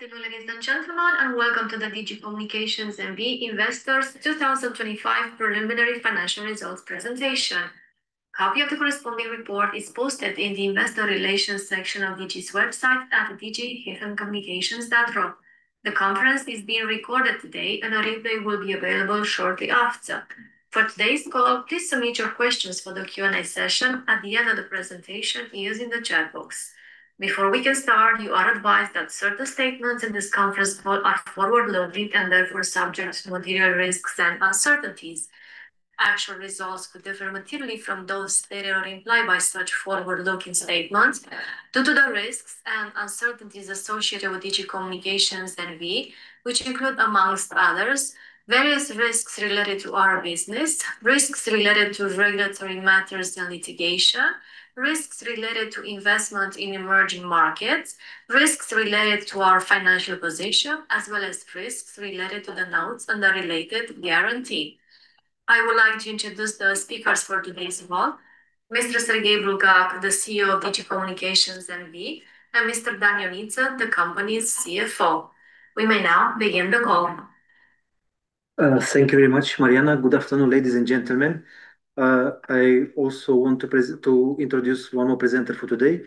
Good afternoon, ladies and gentlemen, and welcome to the Digi Communications NV Investors 2025 preliminary financial results presentation. Copy of the corresponding report is posted in the Investor Relations section of Digi's website at digi-communications.ro. The conference is being recorded today, and a replay will be available shortly after. For today's call, please submit your questions for the Q&A session at the end of the presentation using the chat box. Before we can start, you are advised that certain statements in this conference call are forward-looking and therefore subject to material risks and uncertainties. Actual results could differ materially from those stated or implied by such forward-looking statements due to the risks and uncertainties associated with Digi Communications NV, which include, amongst others: various risks related to our business, risks related to regulatory matters and litigation, risks related to investment in emerging markets, risks related to our financial position, as well as risks related to the notes and the related guarantee. I would like to introduce the speakers for today's call. Mr. Serghei Bulgac, the CEO of Digi Communications NV, and Mr. Dan Ionita, the company's CFO. We may now begin the call. Thank you very much, Mariana. Good afternoon, ladies and gentlemen. I also want to introduce one more presenter for today.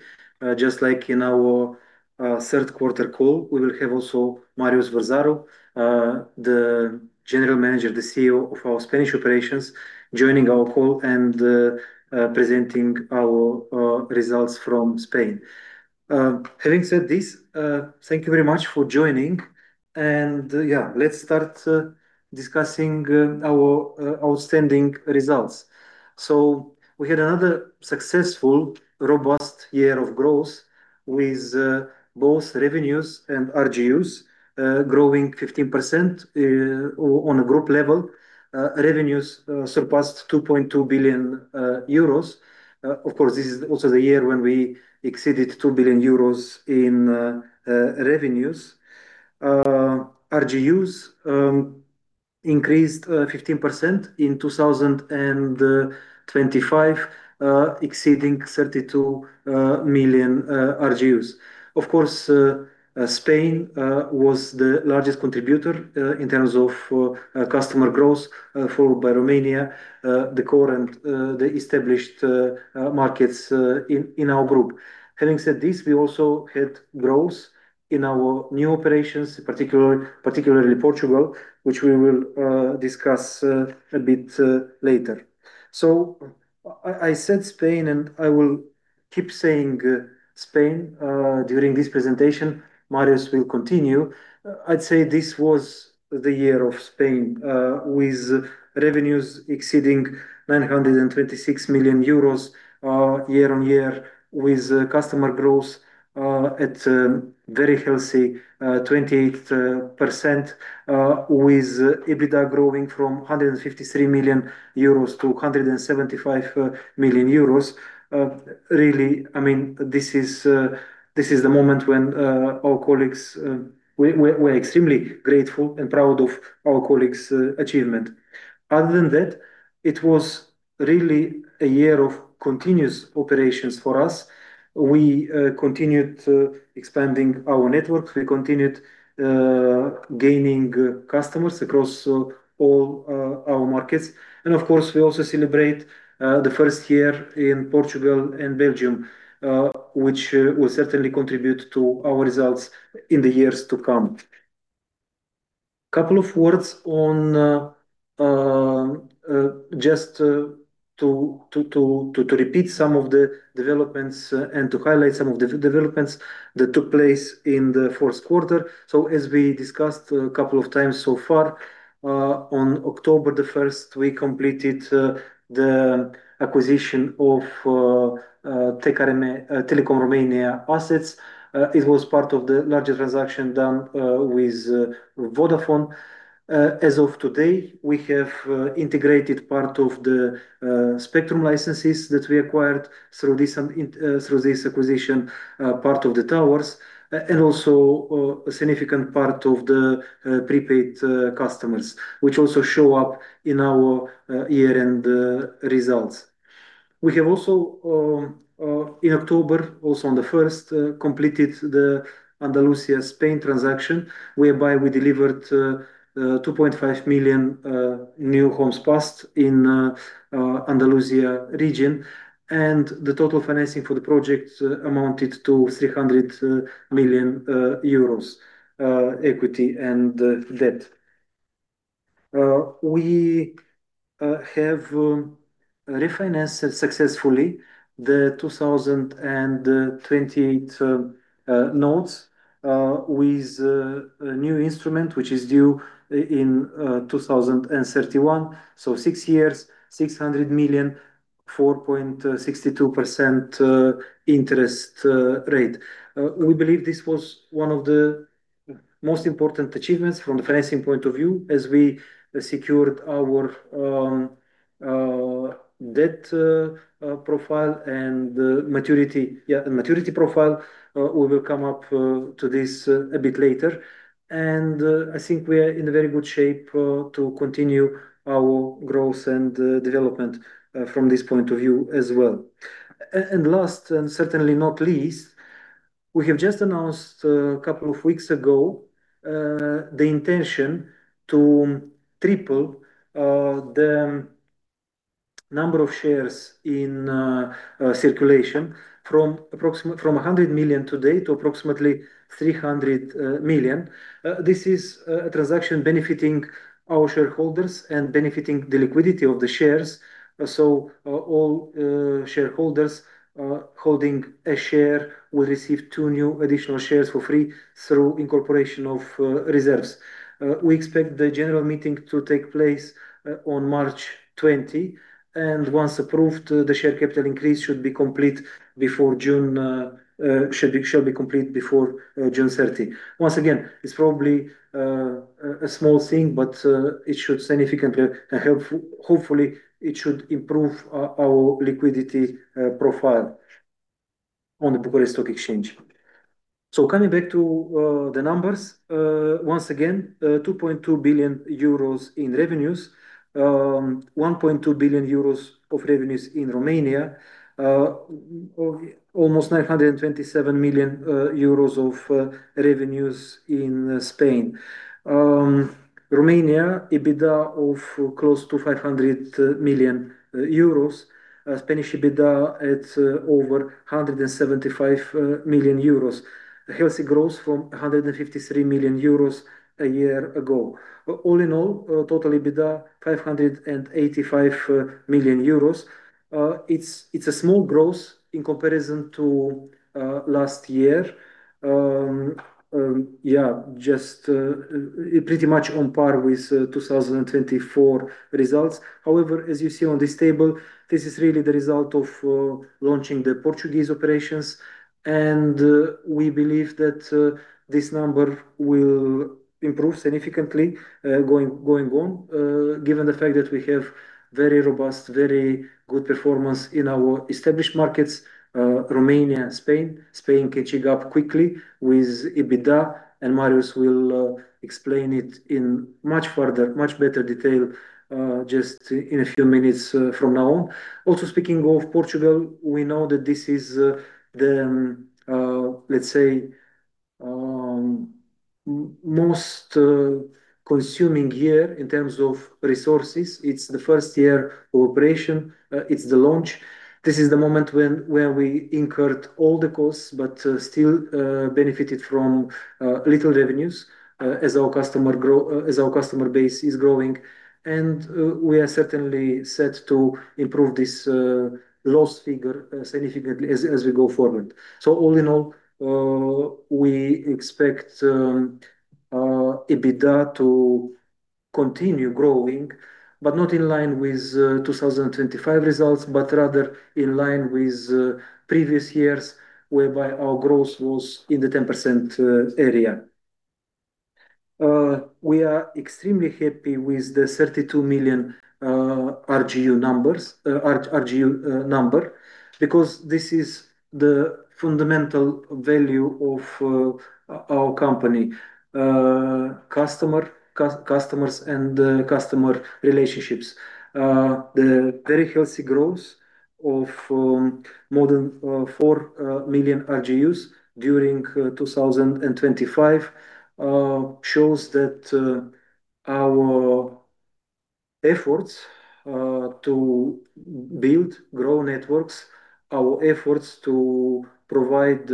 Just like in our third quarter call, we will have also Marius Varzaru, the General Manager, the CEO of our Spanish operations, joining our call and presenting our results from Spain. Having said this, thank you very much for joining. Yeah, let's start discussing our outstanding results. We had another successful, robust year of growth with both revenues and RGUs growing 15% on a group level. Revenues surpassed 2.2 billion euros. Of course, this is also the year when we exceeded 2 billion euros in revenues. RGUs increased 15% in 2025, exceeding 32 million RGUs. Of course, Spain was the largest contributor in terms of customer growth, followed by Romania, the core and the established markets in our group. Having said this, we also had growth in our new operations, particularly, particularly Portugal, which we will discuss a bit later. I, I said Spain, and I will keep saying Spain during this presentation. Marius will continue. I'd say this was the year of Spain, with revenues exceeding 926 million euros year-over-year, with customer growth at very healthy 28%, with EBITDA growing from 153 million euros to 175 million euros. Really, I mean, this is the moment when our colleagues... We're extremely grateful and proud of our colleagues' achievement. Other than that, it was really a year of continuous operations for us. We continued expanding our networks. We continued gaining customers across all our markets. Of course, we also celebrate the first year in Portugal and Belgium, which will certainly contribute to our results in the years to come. Couple of words on just to repeat some of the developments and to highlight some of the developments that took place in the fourth quarter. As we discussed a couple of times so far, on October the first, we completed the acquisition of Telekom Romania assets. It was part of the larger transaction done with Vodafone. As of today, we have integrated part of the spectrum licenses that we acquired through this acquisition, part of the towers, and also a significant part of the prepaid customers, which also show up in our year-end results. We have also in October, also on the first, completed the Andalusia, Spain transaction, whereby we delivered 2.5 million new homes passed in Andalusia region, and the total financing for the project amounted to 300 million euros equity and debt. We have refinanced successfully the 2028 notes with a new instrument, which is due in 2031. Six years, EUR 600 million, 4.62% interest rate. We believe this was one of the most important achievements from the financing point of view, as we secured our debt profile and maturity and maturity profile. We will come up to this a bit later. I think we are in a very good shape to continue our growth and development from this point of view as well. Last, and certainly not least. We have just announced two weeks ago the intention to triple the number of shares in circulation from approximately 100 million today to approximately 300 million. This is a transaction benefiting our shareholders and benefiting the liquidity of the shares. All shareholders holding a share will receive two new additional shares for free through incorporation of reserves. We expect the general meeting to take place on March 20. Once approved, the share capital increase should be complete before June 30. Once again, it's probably a small thing, but it should significantly help. Hopefully, it should improve our liquidity profile on the Bucharest Stock Exchange. Coming back to the numbers, once again, 2.2 billion euros in revenues, 1.2 billion euros of revenues in Romania, of almost 927 million euros of revenues in Spain. Romania EBITDA of close to 500 million euros. Spanish EBITDA at over 175 million euros. A healthy growth from 153 million euros a year ago. All in all, total EBITDA, 585 million euros. It's a small growth in comparison to last year. Yeah, just pretty much on par with 2024 results. However, as you see on this table, this is really the result of launching the Portuguese operations, and we believe that this number will improve significantly going, going on, given the fact that we have very robust, very good performance in our established markets, Romania and Spain. Spain catching up quickly with EBITDA. Marius will explain it in much further, much better detail just in a few minutes from now. Also, speaking of Portugal, we know that this is the, let's say, most consuming year in terms of resources. It's the first year of operation. It's the launch. This is the moment when, when we incurred all the costs, but still benefited from little revenues, as our customer base is growing, and we are certainly set to improve this loss figure significantly as, as we go forward. All in all, we expect EBITDA to continue growing, but not in line with 2025 results, but rather in line with previous years, whereby our growth was in the 10% area. We are extremely happy with the 32 million RGU numbers, RGU number, because this is the fundamental value of our company. Customer, customers, and customer relationships. The very healthy growth of more than 4 million RGUs during 2025 shows that our efforts to build, grow networks, our efforts to provide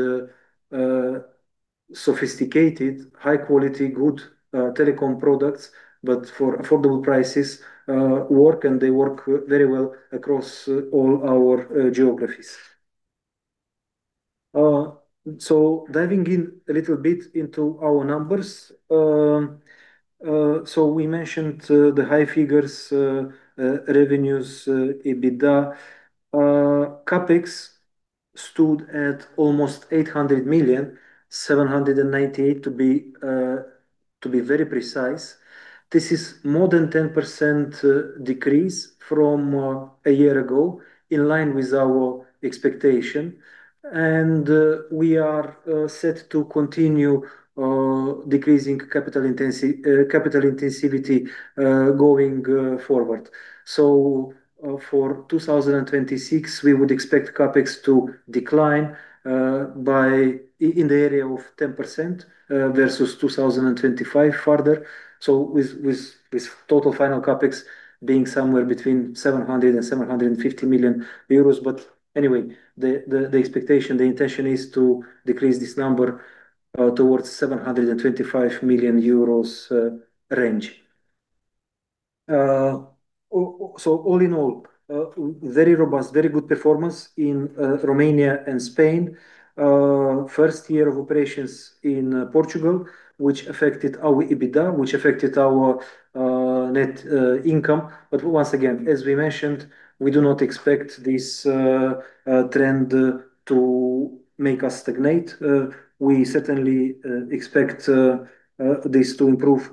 sophisticated, high quality, good telecom products, but for affordable prices, work, and they work very well across all our geographies. So diving in a little bit into our numbers. So we mentioned the high figures, revenues, EBITDA. CapEx stood at almost 800 million, 798 million, to be very precise. This is more than 10% decrease from a year ago, in line with our expectation, and we are set to continue decreasing capital intensity going forward. For 2026, we would expect CapEx to decline by in, in the area of 10% versus 2025 further. With total final CapEx being somewhere between 700 million euros and 750 million euros. The expectation, the intention is to decrease this number towards 725 million euros range. All in all, very robust, very good performance in Romania and Spain. First year of operations in Portugal, which affected our EBITDA, which affected our net income. Once again, as we mentioned, we do not expect this trend to make us stagnate. We certainly expect this to improve,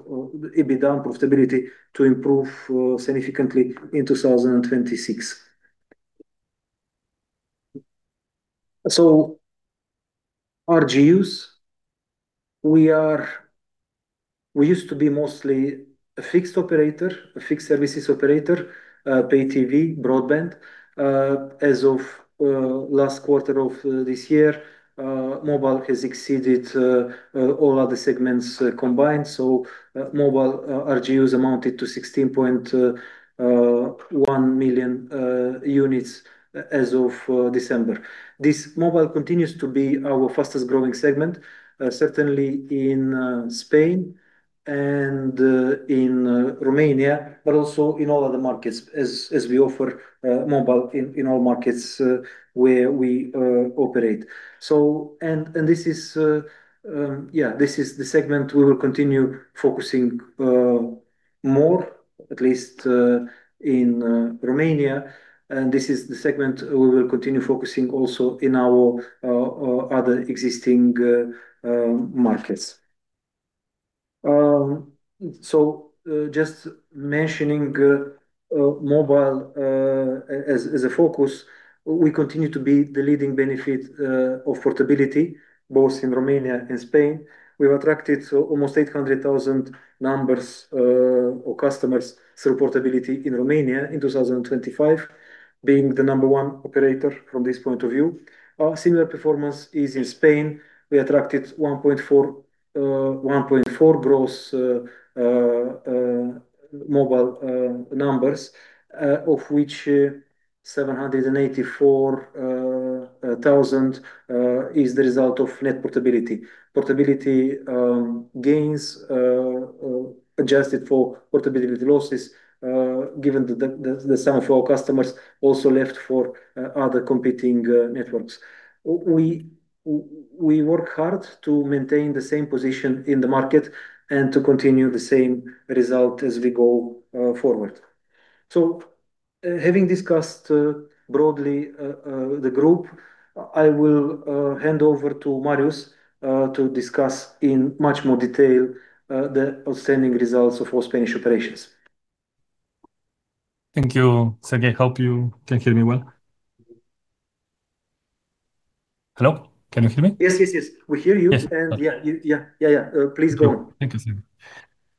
EBITDA and profitability to improve significantly in 2026. RGUs, we used to be mostly a fixed operator, a fixed services operator, pay TV, broadband. As of last quarter of this year, mobile has exceeded all other segments combined. Mobile RGUs amounted to 16.1 million units as of December. This mobile continues to be our fastest growing segment certainly in Spain and in Romania, but also in all other markets as as we offer mobile in all markets where we operate. And this is, yeah, this is the segment we will continue focusing more, at least, in Romania. And this is the segment we will continue focusing also in our other existing markets. Just mentioning mobile as a focus, we continue to be the leading benefit of portability, both in Romania and Spain. We've attracted almost 800,000 numbers or customers through portability in Romania in 2025, being the number one operator from this point of view. Our similar performance is in Spain. We attracted 1.4, 1.4 gross mobile numbers, of which 784,000 is the result of net portability. Portability gains adjusted for portability losses, given that the sum of all customers also left for other competing networks. We work hard to maintain the same position in the market and to continue the same result as we go forward. Having discussed, broadly, the group, I will hand over to Marius, to discuss in much more detail, the outstanding results of our Spanish operations. Thank you, Serghei. I hope you can hear me well. Hello, can you hear me? Yes, yes, yes, we hear you. Yes. Yeah, you-- Yeah. Yeah, yeah. Please go. Thank you, Serghei.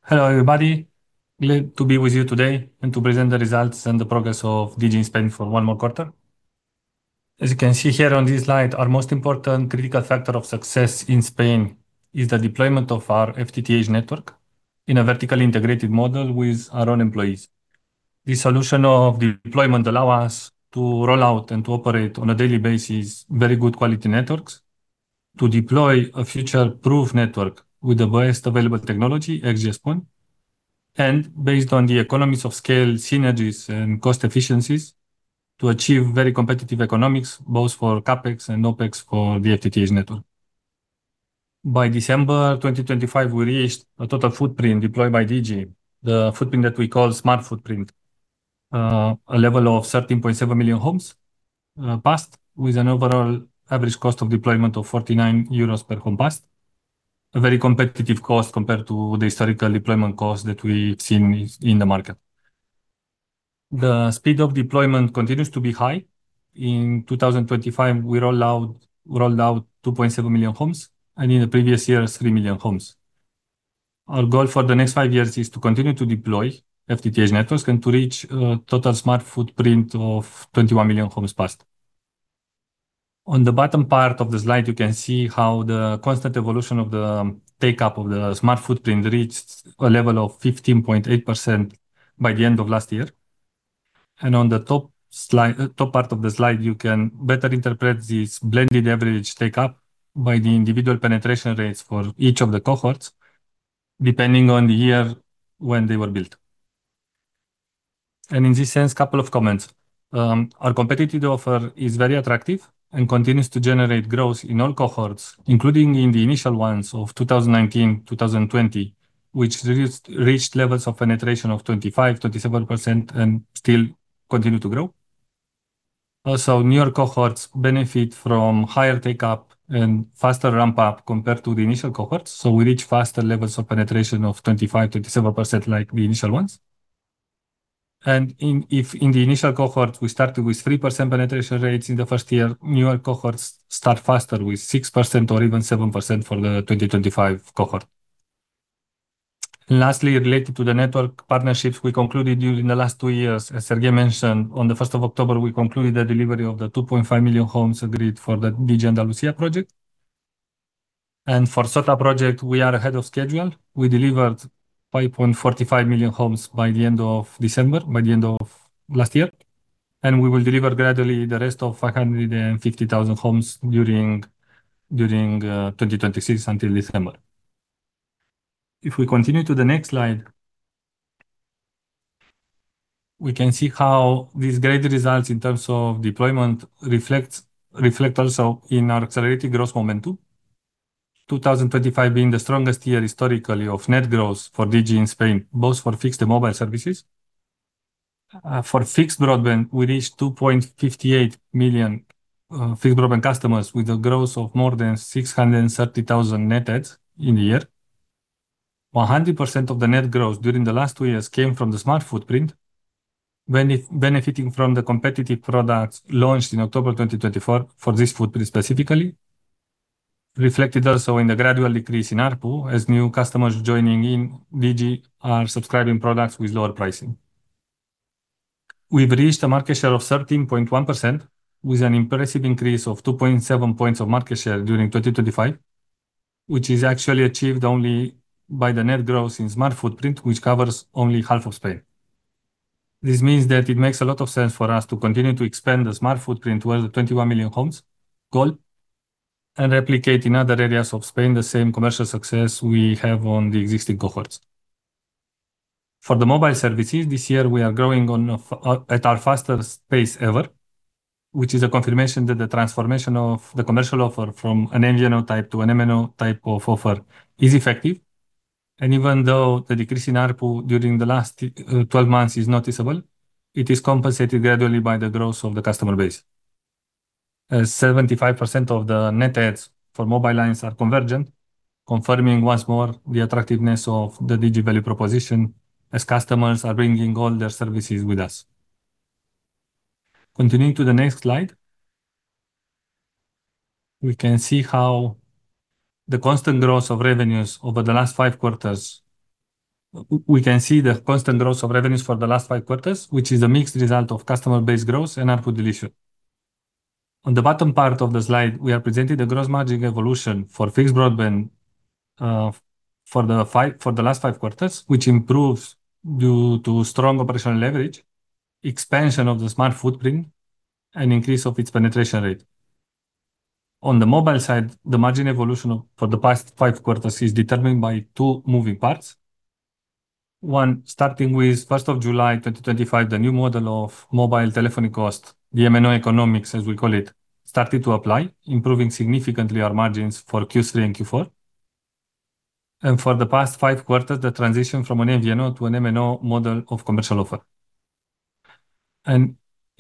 Hello, everybody. Glad to be with you today and to present the results and the progress of Digi Spain for one more quarter. As you can see here on this slide, our most important critical factor of success in Spain is the deployment of our FTTH network in a vertically integrated model with our own employees. The solution of deployment allow us to roll out and to operate on a daily basis, very good quality networks, to deploy a future-proof network with the best available technology at this point, and based on the economies of scale, synergies, and cost efficiencies, to achieve very competitive economics, both for CapEx and OpEx for the FTTH network. By December 2025, we reached a total footprint deployed by Digi, the footprint that we call SMART footprint, a level of 13.7 million homes passed, with an overall average cost of deployment of 49 euros per home passed. A very competitive cost compared to the historical deployment costs that we've seen in the market. The speed of deployment continues to be high. In 2025, we rolled out 2.7 million homes, and in the previous years, 3 million homes. Our goal for the next five years is to continue to deploy FTTH networks and to reach a total SMART footprint of 21 million homes passed. On the bottom part of the slide, you can see how the constant evolution of the take-up of the SMART footprint reached a level of 15.8% by the end of last year. On the top part of the slide, you can better interpret this blended average take-up by the individual penetration rates for each of the cohorts, depending on the year when they were built. In this sense, a couple of comments. Our competitive offer is very attractive and continues to generate growth in all cohorts, including in the initial ones of 2019, 2020, which reached, reached levels of penetration of 25%, 27% and still continue to grow. Also, newer cohorts benefit from higher take-up and faster ramp-up compared to the initial cohorts. We reach faster levels of penetration of 25%, 27% like the initial ones. If in the initial cohort, we started with 3% penetration rates in the first year, newer cohorts start faster with 6% or even 7% for the 2025 cohort. Lastly, related to the network partnerships we concluded during the last two years, as Serghei mentioned, on the first of October, we concluded the delivery of the 2.5 million homes agreed for the Digi Andalusia project. For SOTA project, we are ahead of schedule. We delivered 5.45 million homes by the end of December, by the end of last year, and we will deliver gradually the rest of 150,000 homes during, during 2026, until December. If we continue to the next slide, we can see how these great results in terms of deployment reflects, reflect also in our accelerated growth momentum. 2025 being the strongest year historically of net growth for Digi Spain, both for fixed and mobile services. For fixed broadband, we reached 2.58 million fixed broadband customers, with a growth of more than 630,000 net adds in the year. 100% of the net growth during the last two years came from the SMART footprint benefiting from the competitive products launched in October 2024 for this footprint specifically, reflected also in the gradual decrease in ARPU as new customers joining in Digi are subscribing products with lower pricing. We've reached a market share of 13.1%, with an impressive increase of 2.7 points of market share during 2025, which is actually achieved only by the net growth in SMART footprint, which covers only half of Spain. This means that it makes a lot of sense for us to continue to expand the Smart Footprint towards the 21 million homes goal, replicate in other areas of Spain the same commercial success we have on the existing cohorts. For the mobile services, this year, we are growing at our fastest pace ever, which is a confirmation that the transformation of the commercial offer from an MVNO type to an MNO type of offer is effective. Even though the decrease in ARPU during the last 12 months is noticeable, it is compensated gradually by the growth of the customer base. As 75% of the net adds for mobile lines are convergent, confirming once more the attractiveness of the Digi value proposition, as customers are bringing all their services with us. Continuing to the next slide. We can see the constant growth of revenues for the last five quarters, which is a mixed result of customer base growth and ARPU dilution. On the bottom part of the slide, we are presenting the gross margin evolution for fixed broadband, for the last five quarters, which improves due to strong operational leverage, expansion of the SMART footprint, and increase of its penetration rate. On the mobile side, the margin evolution for the past five quarters is determined by two moving parts. One, starting with 1st of July 2025, the new model of mobile telephony cost, the MNO economics, as we call it, started to apply, improving significantly our margins for Q3 and Q4. For the past five quarters, the transition from an MVNO to an MNO model of commercial offer.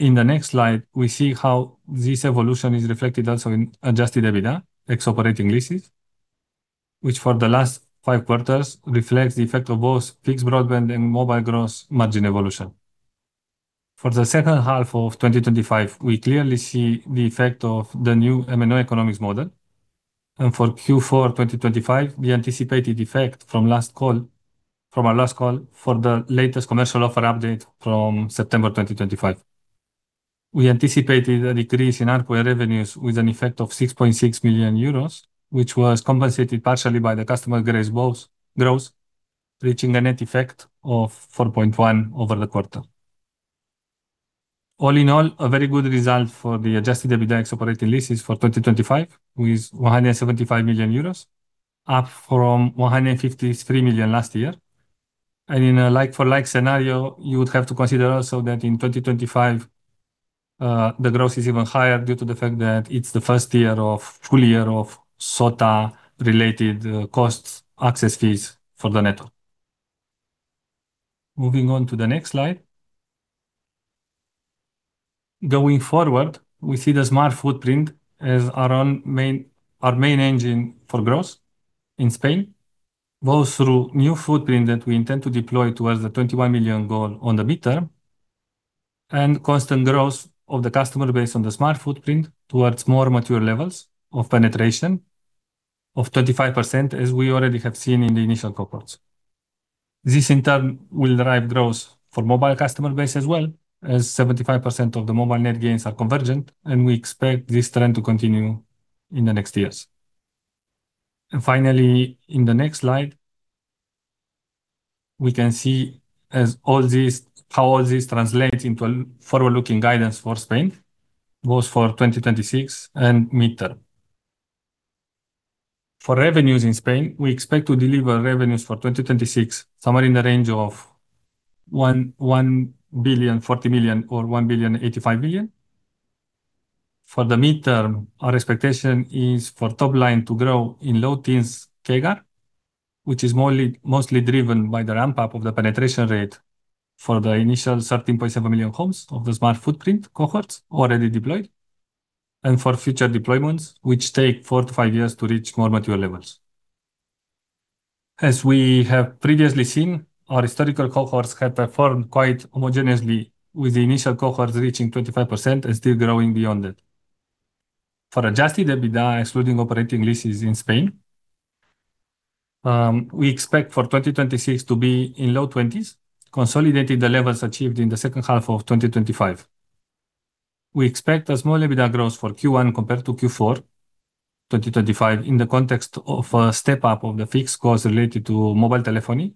In the next slide, we see how this evolution is reflected also in adjusted EBITDA, ex operating leases, which for the last five quarters reflects the effect of both fixed broadband and mobile gross margin evolution. For the second half of 2025, we clearly see the effect of the new MNO economics model, and for Q4 2025, the anticipated effect from last call, from our last call, for the latest commercial offer update from September 2025. We anticipated a decrease in ARPU revenues with an effect of 6.6 million euros, which was compensated partially by the customer gross growth, reaching a net effect of 4.1 over the quarter. All in all, a very good result for the adjusted EBITDA ex operating leases for 2025, with 175 million euros, up from 153 million last year. In a like for like scenario, you would have to consider also that in 2025, the growth is even higher due to the fact that it's the first year of full year of SOTA-related costs, access fees for the network. Moving on to the next slide. Going forward, we see the SMART footprint as our own main, our main engine for growth in Spain, both through new footprint that we intend to deploy towards the 21 million goal on the mid-term, and constant growth of the customer base on the SMART footprint towards more mature levels of penetration of 35%, as we already have seen in the initial cohorts. This, in turn, will drive growth for mobile customer base as well, as 75% of the mobile net gains are convergent, and we expect this trend to continue in the next years. Finally, in the next slide, we can see as all this, how all this translates into a forward-looking guidance for Spain, both for 2026 and mid-term. For revenues in Spain, we expect to deliver revenues for 2026, somewhere in the range of 1.04 billion-1.085 billion. For the mid-term, our expectation is for top line to grow in low teens CAGR, which is mostly driven by the ramp-up of the penetration rate for the initial 13.7 million homes of the SMART footprint cohorts already deployed, and for future deployments, which take four-five years to reach more mature levels. As we have previously seen, our historical cohorts have performed quite homogeneously, with the initial cohorts reaching 25% and still growing beyond it. For adjusted EBITDA, excluding operating leases in Spain, we expect for 2026 to be in low twenties, consolidating the levels achieved in the second half of 2025. We expect a small EBITDA growth for Q1 compared to Q4 2025, in the context of a step up of the fixed costs related to mobile telephony,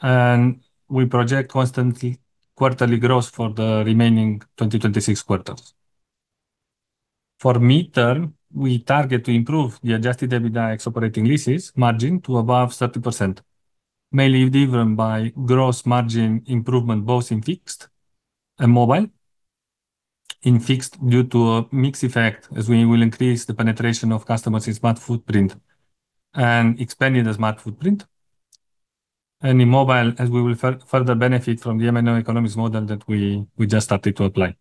and we project constantly quarterly growth for the remaining 2026 quarters. For mid-term, we target to improve the adjusted EBITDA ex operating leases margin to above 30%, mainly driven by gross margin improvement, both in fixed and mobile. In fixed, due to a mix effect, as we will increase the penetration of customers in SMART footprint and expanding the Smart Footprint. And in mobile, as we will further benefit from the MNO economics model that we just started to apply.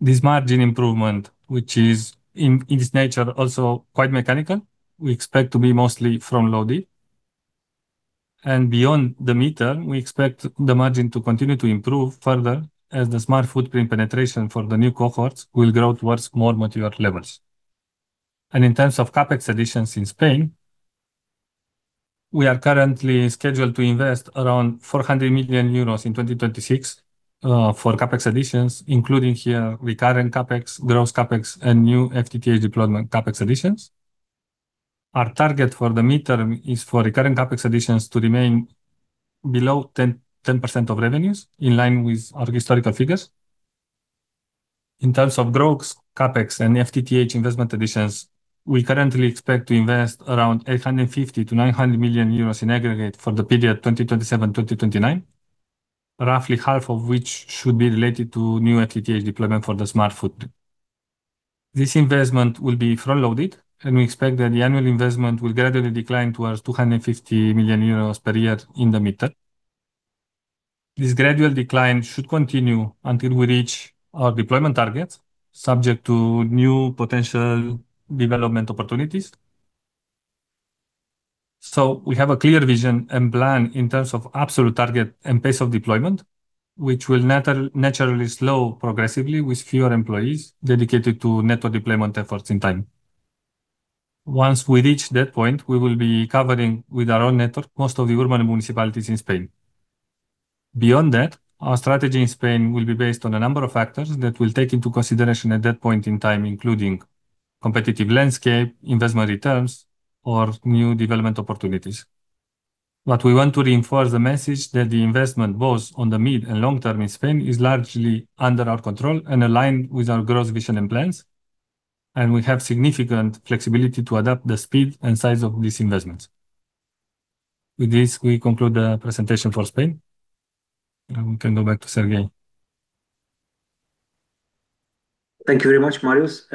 This margin improvement, which is in its nature also quite mechanical, we expect to be mostly front-loaded. Beyond the midterm, we expect the margin to continue to improve further as the SMART footprint penetration for the new cohorts will grow towards more mature levels. In terms of CapEx additions in Spain, we are currently scheduled to invest around 400 million euros in 2026 for CapEx additions, including here recurrent CapEx, gross CapEx, and new FTTH deployment CapEx additions. Our target for the midterm is for recurrent CapEx additions to remain below 10% of revenues, in line with our historical figures. In terms of gross CapEx and FTTH investment additions, we currently expect to invest around 850 million-900 million euros in aggregate for the period 2027-2029, roughly half of which should be related to new FTTH deployment for the SMART footprint. This investment will be front-loaded, we expect that the annual investment will gradually decline towards 250 million euros per year in the midterm. This gradual decline should continue until we reach our deployment targets, subject to new potential development opportunities. We have a clear vision and plan in terms of absolute target and pace of deployment, which will naturally slow progressively with fewer employees dedicated to network deployment efforts in time. Once we reach that point, we will be covering with our own network, most of the urban municipalities in Spain. Beyond that, our strategy in Spain will be based on a number of factors that we'll take into consideration at that point in time, including competitive landscape, investment returns, or new development opportunities. We want to reinforce the message that the investment, both on the mid and long term in Spain, is largely under our control and aligned with our growth vision and plans, and we have significant flexibility to adapt the speed and size of these investments. With this, we conclude the presentation for Spain. We can go back to Serghei. Thank you very much, Marius.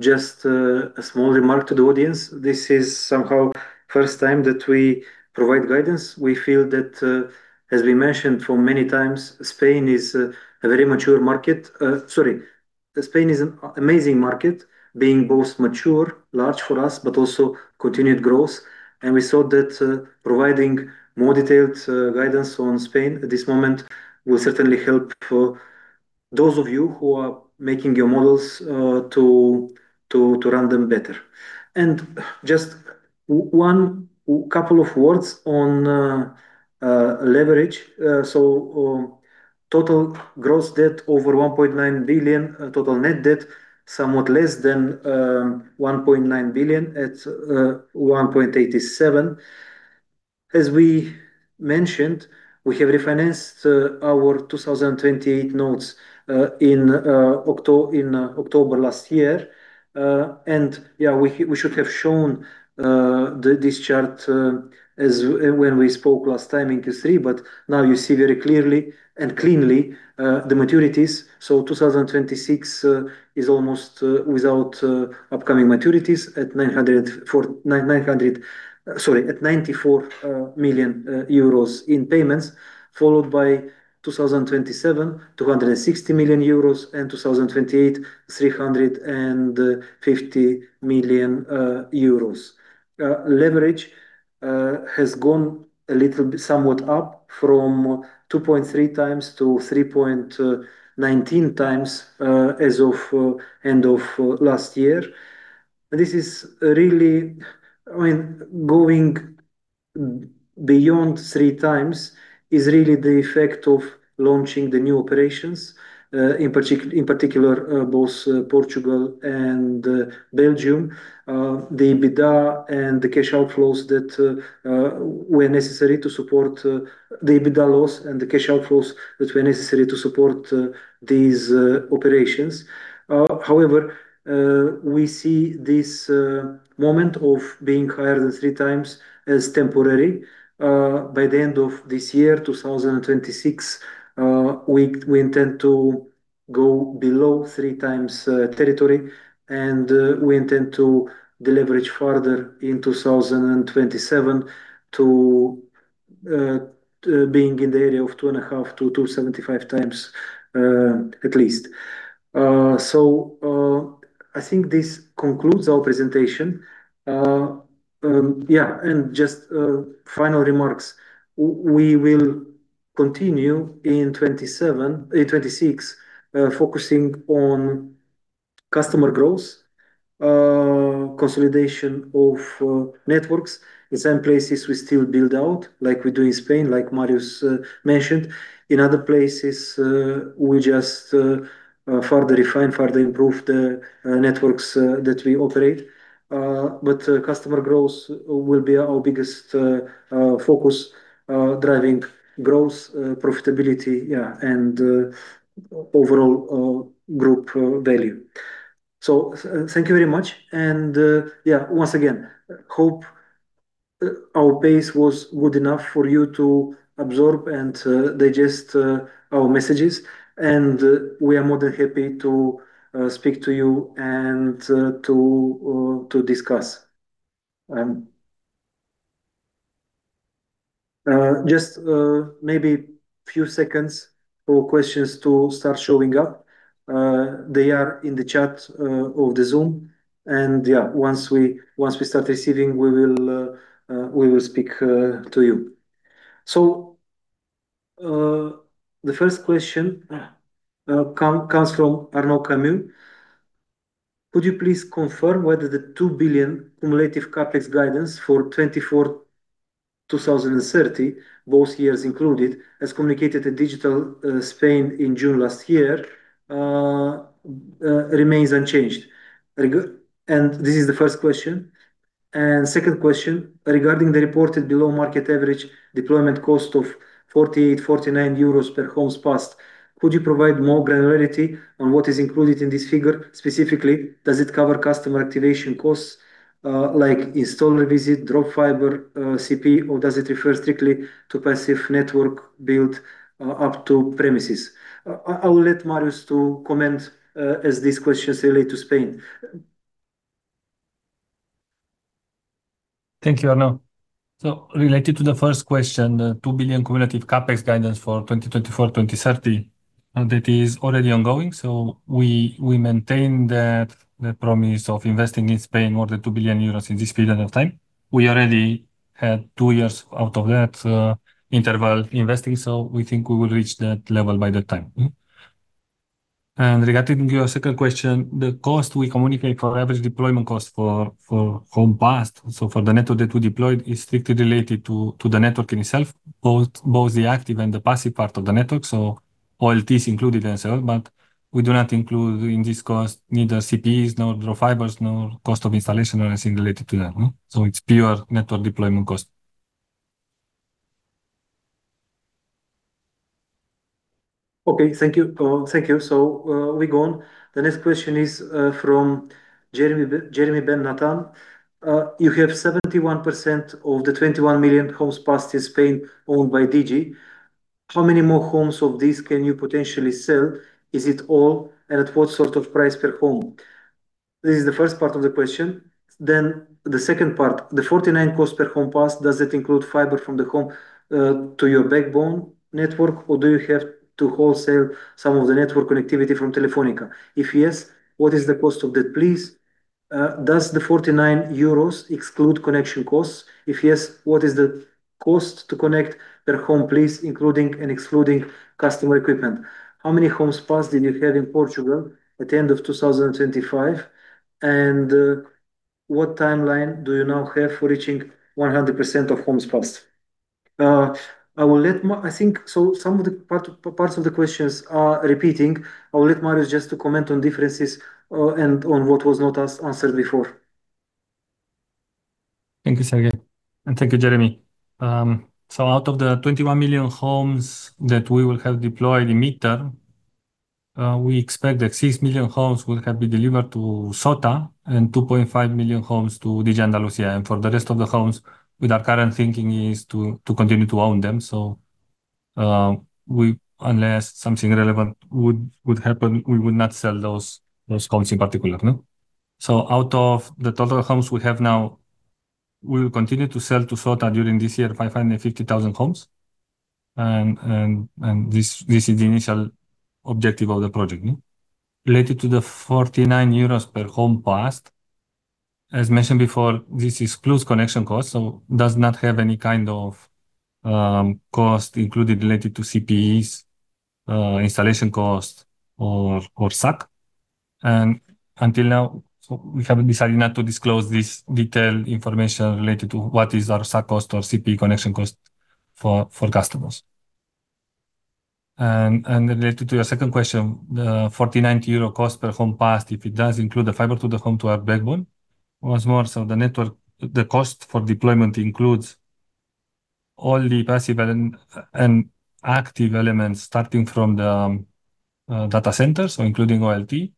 Just a small remark to the audience. This is somehow first time that we provide guidance. We feel that, as we mentioned for many times, Spain is a very mature market. Sorry, Spain is an amazing market, being both mature, large for us, but also continued growth. We thought that providing more detailed guidance on Spain at this moment will certainly help for those of you who are making your models to run them better. Just couple of words on leverage. Total gross debt over 1.9 billion. Total net debt, somewhat less than 1.9 billion, at 1.87 billion. As we mentioned, we have refinanced our 2028 notes in October last year. Yeah, we, we should have shown the, this chart, as when we spoke last time in Q3, but now you see very clearly and cleanly the maturities. 2026 is almost without upcoming maturities at 904,900, sorry, at 94 million euros in payments, followed by 2027, 260 million euros, and 2028, 350 million euros. Leverage has gone a little bit, somewhat up from 2.3x to 3.19x as of end of last year. This is really, I mean, going beyond 3x is really the effect of launching the new operations, in particular, both Portugal and Belgium. The EBITDA and the cash outflows that were necessary to support the EBITDA loss and the cash outflows that were necessary to support these operations. However, we see this moment of being higher than 3x as temporary. By the end of this year, 2026, we intend to go below 3x territory, and we intend to deleverage further in 2027 to being in the area of 2.5x to 2.75x, at least. I think this concludes our presentation. Yeah, and just final remarks. We will continue in 2027, in 2026, focusing on customer growth, consolidation of networks. In some places, we still build out, like we do in Spain, like Marius mentioned. In other places, we just further refine, further improve the networks that we operate. But customer growth will be our biggest focus, driving growth, profitability, yeah, and overall group value. Thank you very much. Yeah, once again, hope our pace was good enough for you to absorb and digest our messages. We are more than happy to speak to you and to discuss. Just maybe few seconds for questions to start showing up. They are in the chat of the Zoom. Yeah, once we, once we start receiving, we will speak to you. The first question comes from Arnaud Camus: Could you please confirm whether the 2 billion cumulative CapEx guidance for 2024, 2030, both years included, as communicated at Digi Spain in June last year, remains unchanged? This is the first question. Second question: Regarding the reported below-market average deployment cost of 48-49 euros per homes passed, could you provide more granularity on what is included in this figure? Specifically, does it cover customer activation costs, like installer visit, drop fiber, CPE, or does it refer strictly to passive network build up to premises? I will let Marius to comment, as these questions relate to Spain. Thank you, Arnaud. Related to the first question, the 2 billion cumulative CapEx guidance for 2024, 2030. That is already ongoing. We maintain that the promise of investing in Spain more than 2 billion euros in this period of time. We already had two years out of that interval investing. We think we will reach that level by that time. Regarding your second question, the cost we communicate for average deployment cost for home passed, for the network that we deployed, is strictly related to the network in itself, both the active and the passive part of the network. OLT is included as well. We do not include in this cost neither CPEs, nor drop fibers, nor cost of installation, nor anything related to that. It's pure network deployment cost. Okay. Thank you. Thank you. We go on. The next question is from Jeremy Ben-Nathan: You have 71% of the 21 million homes passed in Spain owned by Digi. How many more homes of these can you potentially sell? Is it all, and at what sort of price per home? This is the first part of the question. The second part, the 49 cost per home passed, does it include fiber from the home to your backbone network, or do you have to wholesale some of the network connectivity from Telefónica? If yes, what is the cost of that, please? Does the 49 euros exclude connection costs? If yes, what is the cost to connect per home, please, including and excluding customer equipment? How many homes passed did you have in Portugal at the end of 2025? What timeline do you now have for reaching 100% of homes passed? I will let Marius I think so some of the part, parts of the questions are repeating. I will let Marius just to comment on differences, and on what was not as answered before. Thank you, Serghei, and thank you, Jeremy. Out of the 21 million homes that we will have deployed in midterm, we expect that 6 million homes will have been delivered to SOTA and 2.5 million homes to Digi Andalusia. For the rest of the homes, with our current thinking is to, to continue to own them. We unless something relevant would, would happen, we would not sell those, those homes in particular, no? Out of the total homes we have now, we will continue to sell to SOTA during this year, 550,000 homes, this, this is the initial objective of the project. Related to the 49 euros per home passed, as mentioned before, this excludes connection costs, so does not have any kind of cost included related to CPEs, installation cost or SAC. Until now, so we have decided not to disclose this detailed information related to what is our SAC cost or CPE connection cost for customers. Related to your second question, the 49 euro cost per home passed, if it does include the fiber to the home to our backbone, once more, so the network, the cost for deployment includes all the passive and active elements, starting from the data center, so including OLT,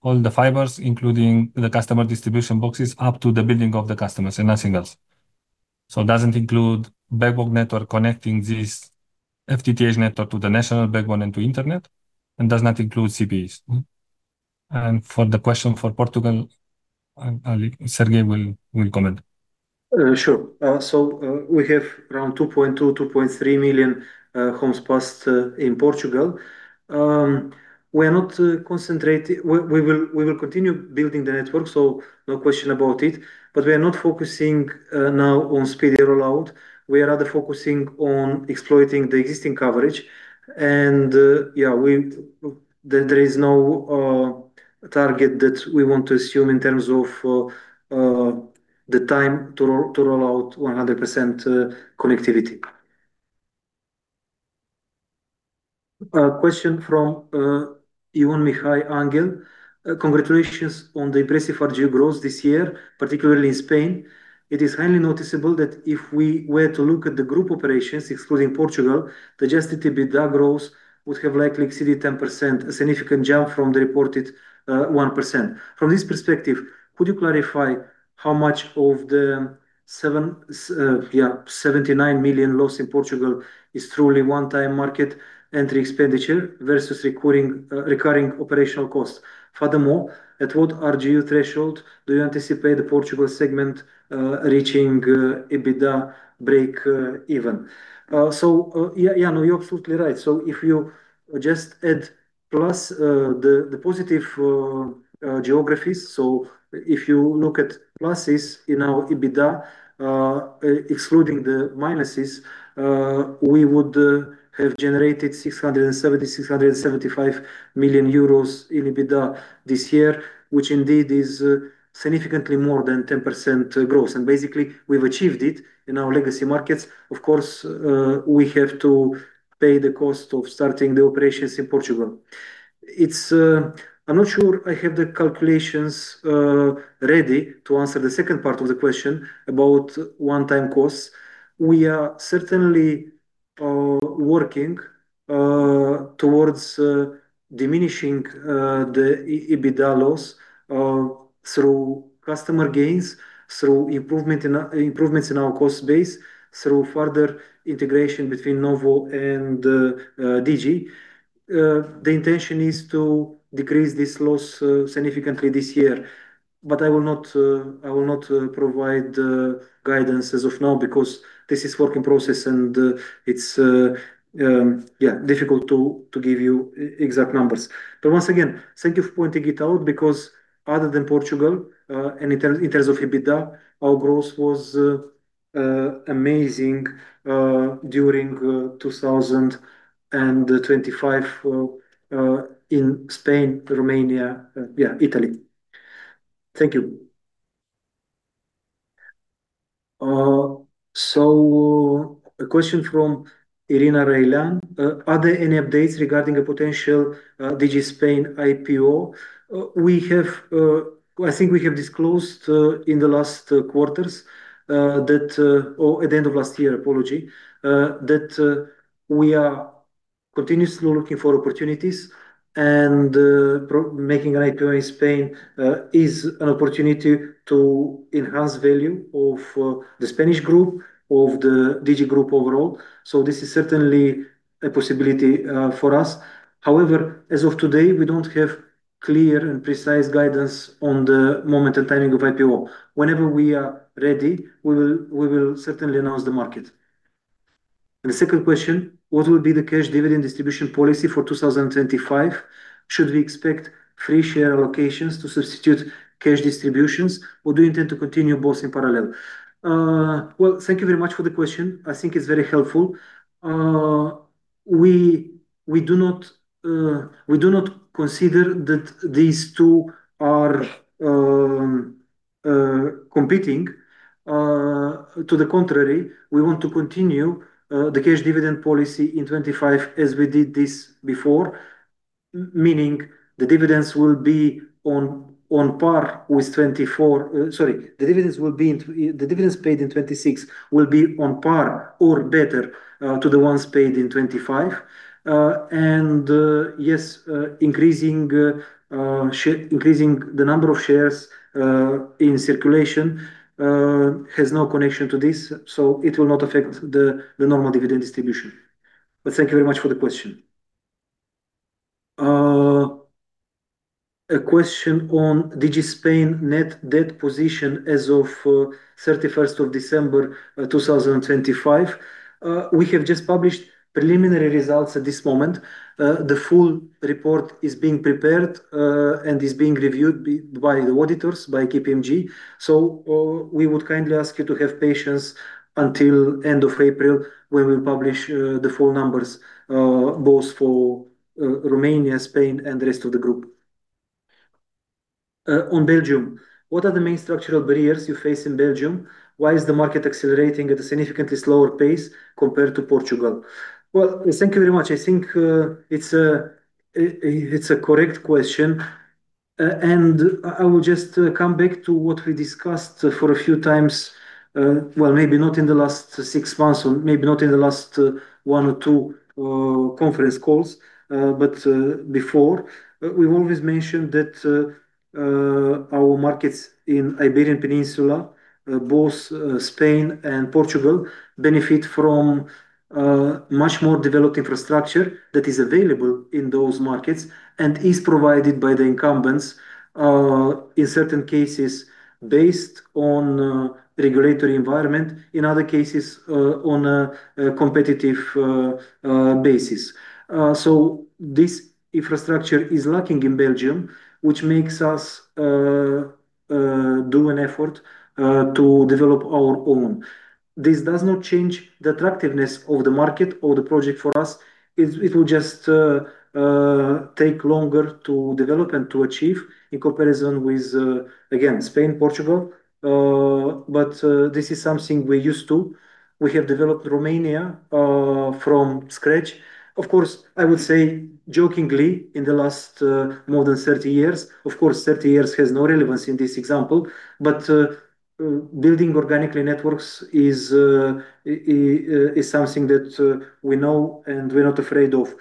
all the fibers, including the customer distribution boxes, up to the building of the customers, and nothing else. It doesn't include backbone network connecting this FTTH network to the national backbone and to internet, and does not include CPEs. Mm-hmm. For the question for Portugal, Serghei will, will comment. Sure. We have around 2.2 million-2.3 million homes passed in Portugal. We are not concentrating... We, we will, we will continue building the network, so no question about it, but we are not focusing now on speedy rollout. We are rather focusing on exploiting the existing coverage, and, yeah, we-- there, there is no target that we want to assume in terms of the time to roll, to roll out 100% connectivity. Question from Ion Mihai Angel. Congratulations on the impressive RGU growth this year, particularly in Spain. It is highly noticeable that if we were to look at the group operations, excluding Portugal, the adjusted EBITDA growth would have likely exceeded 10%, a significant jump from the reported 1%. From this perspective, could you clarify how much of the 79 million loss in Portugal is truly one-time market entry expenditure versus recurring operational costs? Furthermore, at what RGU threshold do you anticipate the Portugal segment reaching EBITDA break even? No, you're absolutely right. If you just add plus, the positive geographies. If you look at pluses in our EBITDA, excluding the minuses, we would have generated 675 million euros in EBITDA this year, which indeed is significantly more than 10% growth. Basically, we've achieved it in our legacy markets. Of course, we have to pay the cost of starting the operations in Portugal. It's... I'm not sure I have the calculations ready to answer the second part of the question about one-time costs. We are certainly working towards diminishing the EBITDA loss through customer gains, through improvements in our cost base, through further integration between Nowo and Digi. The intention is to decrease this loss significantly this year, but I will not, I will not provide guidance as of now because this is work in process, and it's yeah, difficult to give you exact numbers. Once again, thank you for pointing it out, because other than Portugal, and in terms of EBITDA, our growth was amazing during 2025 in Spain, Romania, yeah, Italy. Thank you. A question from Irina Railean. Are there any updates regarding a potential Digi Spain IPO? We have, I think we have disclosed in the last quarters, that or at the end of last year, apology, that we are continuously looking for opportunities, making an IPO in Spain is an opportunity to enhance value of the Spanish group, of the Digi group overall. This is certainly a possibility for us. However, as of today, we don't have clear and precise guidance on the moment and timing of IPO. Whenever we are ready, we will, we will certainly announce the market. The second question: What will be the cash dividend distribution policy for 2025? Should we expect free share allocations to substitute cash distributions, or do you intend to continue both in parallel? Well, thank you very much for the question. I think it's very helpful. We, we do not, we do not consider that these two are competing. To the contrary, we want to continue the cash dividend policy in 2025, as we did this before, meaning the dividends will be on, on par with 2024. Sorry, the dividends will be in the dividends paid in 2026 will be on par or better to the ones paid in 2025. Yes, increasing, increasing the number of shares in circulation has no connection to this, so it will not affect the, the normal dividend distribution. Thank you very much for the question. A question on Digi Spain net debt position as of 31st of December 2025. We have just published preliminary results at this moment. The full report is being prepared and is being reviewed by the auditors, by KPMG. We would kindly ask you to have patience until end of April, when we publish the full numbers, both for Romania, Spain, and the rest of the group. On Belgium: What are the main structural barriers you face in Belgium? Why is the market accelerating at a significantly slower pace compared to Portugal? Well, thank you very much. I think it's a correct question. I will just come back to what we discussed for a few times, well, maybe not in the last six months, or maybe not in the last one or two conference calls, but before. We've always mentioned that our markets in Iberian Peninsula, both Spain and Portugal, benefit from much more developed infrastructure that is available in those markets and is provided by the incumbents, in certain cases, based on regulatory environment, in other cases, on a competitive basis. This infrastructure is lacking in Belgium, which makes us do an effort to develop our own. This does not change the attractiveness of the market or the project for us. It, it will just take longer to develop and to achieve in comparison with again, Spain, Portugal. This is something we're used to. We have developed Romania from scratch. Of course, I would say jokingly, in the last more than 30 years. Of course, 30 years has no relevance in this example, but building organically networks is, is, something that we know and we're not afraid of.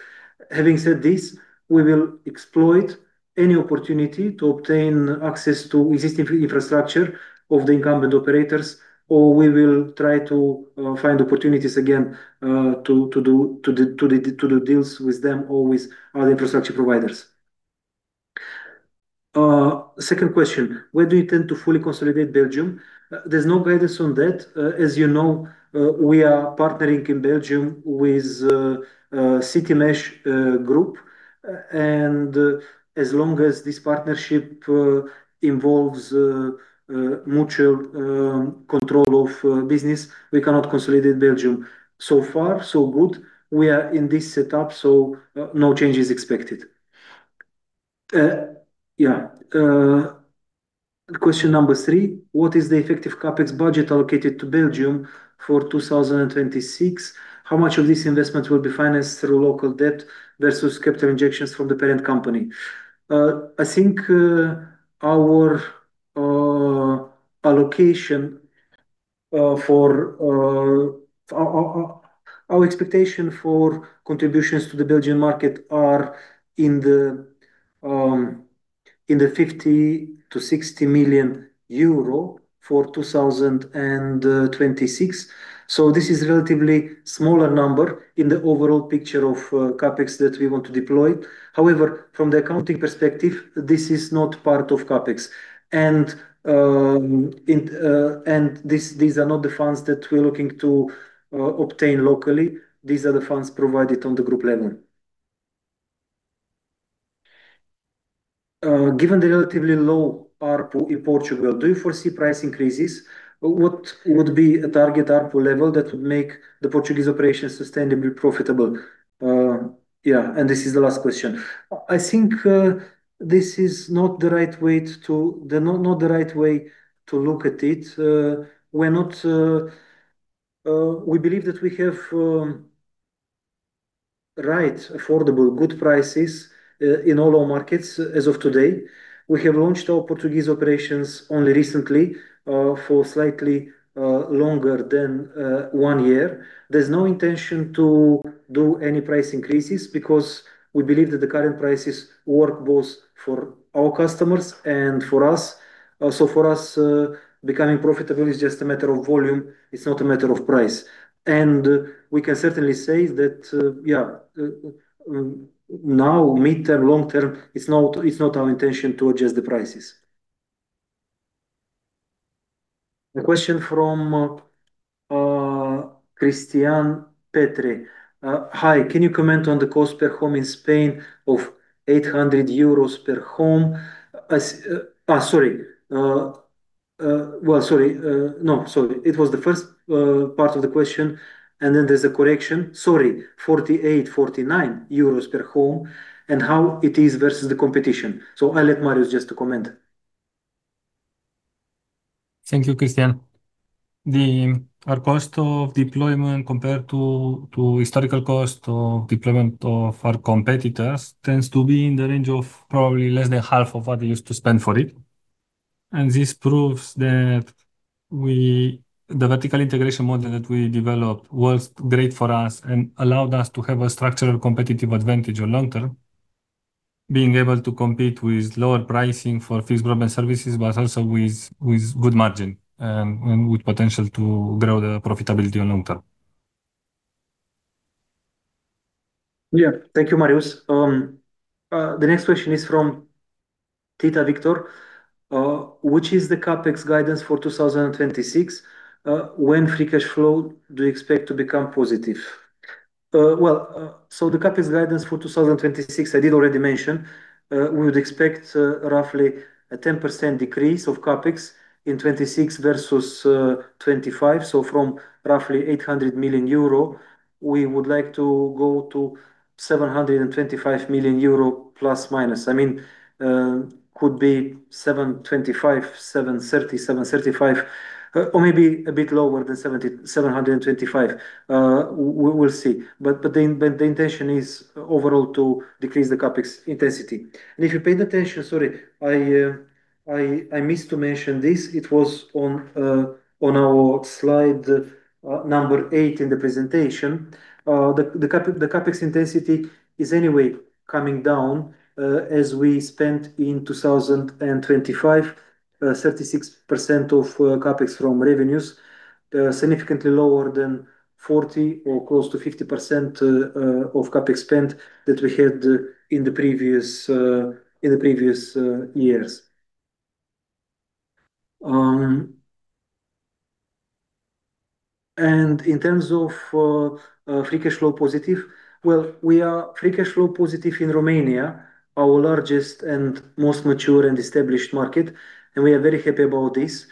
Having said this, we will exploit any opportunity to obtain access to existing infrastructure of the incumbent operators, or we will try to find opportunities again to do deals with them or with other infrastructure providers. Second question: When do you tend to fully consolidate Belgium? There's no guidance on that. As you know, we are partnering in Belgium with Citymesh Group. As long as this partnership involves mutual control of business, we cannot consolidate Belgium. So far, so good. We are in this setup, so no change is expected. Yeah. Question number three: What is the effective CapEx budget allocated to Belgium for 2026? How much of this investment will be financed through local debt versus capital injections from the parent company? I think our allocation for our expectation for contributions to the Belgian market are in the EUR 50 million-EUR 60 million for 2026. This is relatively smaller number in the overall picture of CapEx that we want to deploy. However, from the accounting perspective, this is not part of CapEx. These are not the funds that we're looking to obtain locally. These are the funds provided on the group level. Given the relatively low ARPU in Portugal, do you foresee price increases? What would be a target ARPU level that would make the Portuguese operations sustainably profitable? Yeah, this is the last question. I think this is not the right way to look at it. We believe that we have right, affordable, good prices in all our markets as of today. We have launched our Portuguese operations only recently, for slightly longer than one year. There's no intention to do any price increases because we believe that the current prices work both for our customers and for us. So for us, becoming profitable is just a matter of volume, it's not a matter of price. We can certainly say that, yeah, now, mid-term, long-term, it's not, it's not our intention to adjust the prices. A question from Christian Petri. "Hi, can you comment on the cost per home in Spain of 800 euros per home?" Sorry. Sorry. It was the first part of the question, and then there's a correction. "Sorry, 48-49 euros per home, and how it is versus the competition?" I'll let Marius just to comment. Thank you, Christian. Our cost of deployment compared to, to historical cost of deployment of our competitors, tends to be in the range of probably less than half of what they used to spend for it. This proves that the vertical integration model that we developed works great for us and allowed us to have a structural competitive advantage on long term. Being able to compete with lower pricing for fixed broadband services, but also with, with good margin, and with potential to grow the profitability on long term. Yeah. Thank you, Marius. The next question is from Titus Victor. Which is the CapEx guidance for 2026? When free cash flow do you expect to become positive? Well, the CapEx guidance for 2026, I did already mention, we would expect roughly a 10% decrease of CapEx in 2026 versus 2025. From roughly 800 million euro, we would like to go to 725 million euro, plus, minus. I mean, could be 725 million, 730 million, 735 million, or maybe a bit lower than 725 million. We, we'll see. The intention is overall to decrease the CapEx intensity. If you paid attention... Sorry, I, I missed to mention this. It was on on our slide number eight in the presentation. The CapEx intensity is anyway coming down as we spent in 2025 36% of CapEx from revenues significantly lower than 40% or close to 50% of CapEx spend that we had in the previous in the previous years. In terms of free cash flow positive, well, we are free cash flow positive in Romania, our largest and most mature and established market, and we are very happy about this.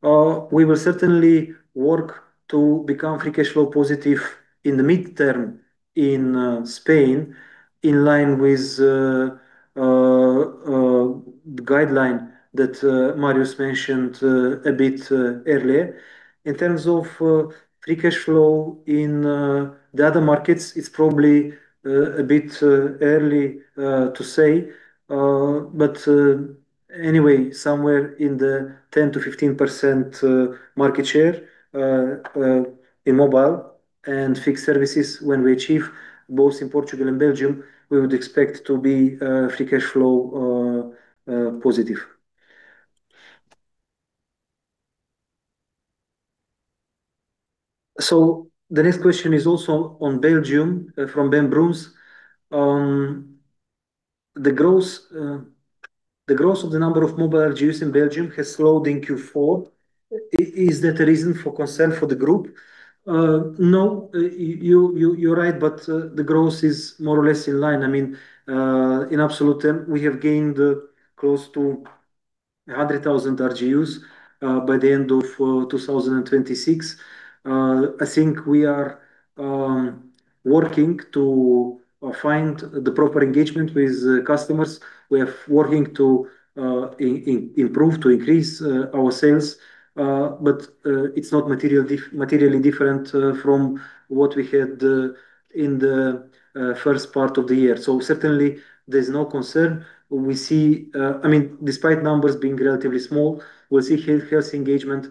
We will certainly work to become free cash flow positive in the midterm, in Spain, in line with the guideline that Marius mentioned a bit earlier. In terms of free cash flow in the other markets, it's probably a bit early to say. Anyway, somewhere in the 10%-15% market share in mobile and fixed services, when we achieve both in Portugal and Belgium, we would expect to be free cash flow positive. The next question is also on Belgium, from Ben Bro-Smit. The growth of the number of mobile RGUs in Belgium has slowed in Q4. Is that a reason for concern for the group? No, you're right, but the growth is more or less in line. I mean, in absolute term, we have gained close to 100,000 RGUs by the end of 2026. I think we are working to find the proper engagement with the customers. We are working to improve, to increase our sales, it's not materially different from what we had in the first part of the year. Certainly, there's no concern. We see, I mean, despite numbers being relatively small, we see healthy engagement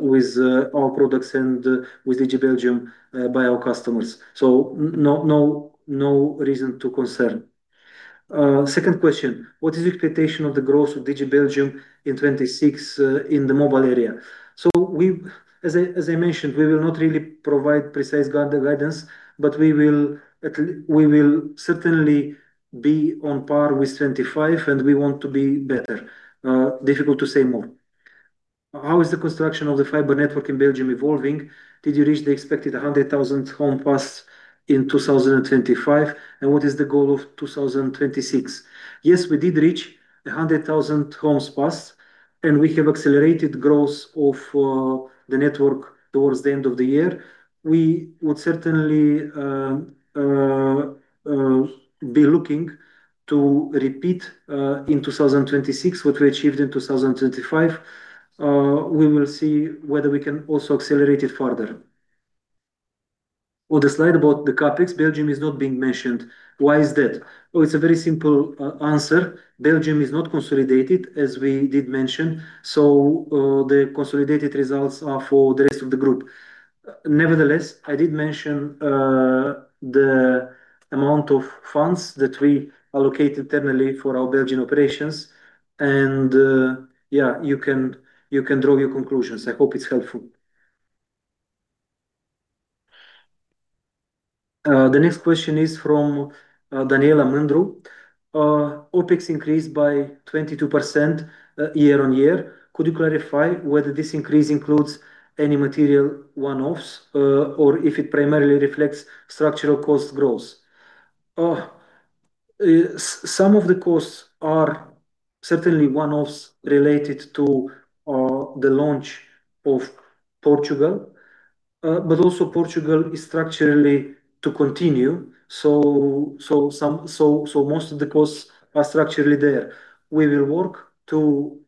with our products and with Digi Belgium by our customers. No, no, no reason to concern. Second question: What is the expectation of the growth of Digi Belgium in 2026 in the mobile area? We as I, as I mentioned, we will not really provide precise guidance, but we will we will certainly be on par with 2025, and we want to be better. Difficult to say more. How is the construction of the fiber network in Belgium evolving? Did you reach the expected 100,000 home passed in 2025? What is the goal of 2026? Yes, we did reach the 100,000 homes passed, and we have accelerated growth of the network towards the end of the year. We would certainly be looking to repeat in 2026, what we achieved in 2025. We will see whether we can also accelerate it further. On the slide about the CapEx, Belgium is not being mentioned. Why is that? Oh, it's a very simple answer. Belgium is not consolidated, as we did mention, so the consolidated results are for the rest of the group. Nevertheless, I did mention the amount of funds that we allocated internally for our Belgian operations, yeah, you can, you can draw your conclusions. I hope it's helpful. The next question is from Daniela Mandru. OpEx increased by 22% year-on-year. Could you clarify whether this increase includes any material one-offs, or if it primarily reflects structural cost growth? Some of the costs are certainly one-offs related to the launch of Portugal, but also Portugal is structurally to continue. Most of the costs are structurally there. We will work to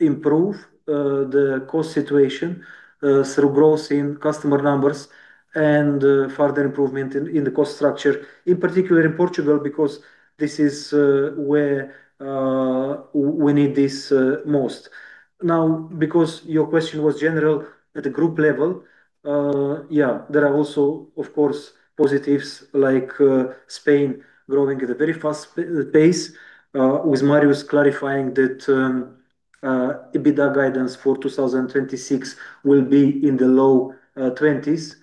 improve the cost situation through growth in customer numbers and further improvement in, in the cost structure, in particular in Portugal, because this is where we need this most. Now, because your question was general at the group level, yeah, there are also, of course, positives like Spain growing at a very fast pace, with Marius clarifying that EBITDA guidance for 2026 will be in the low 20s.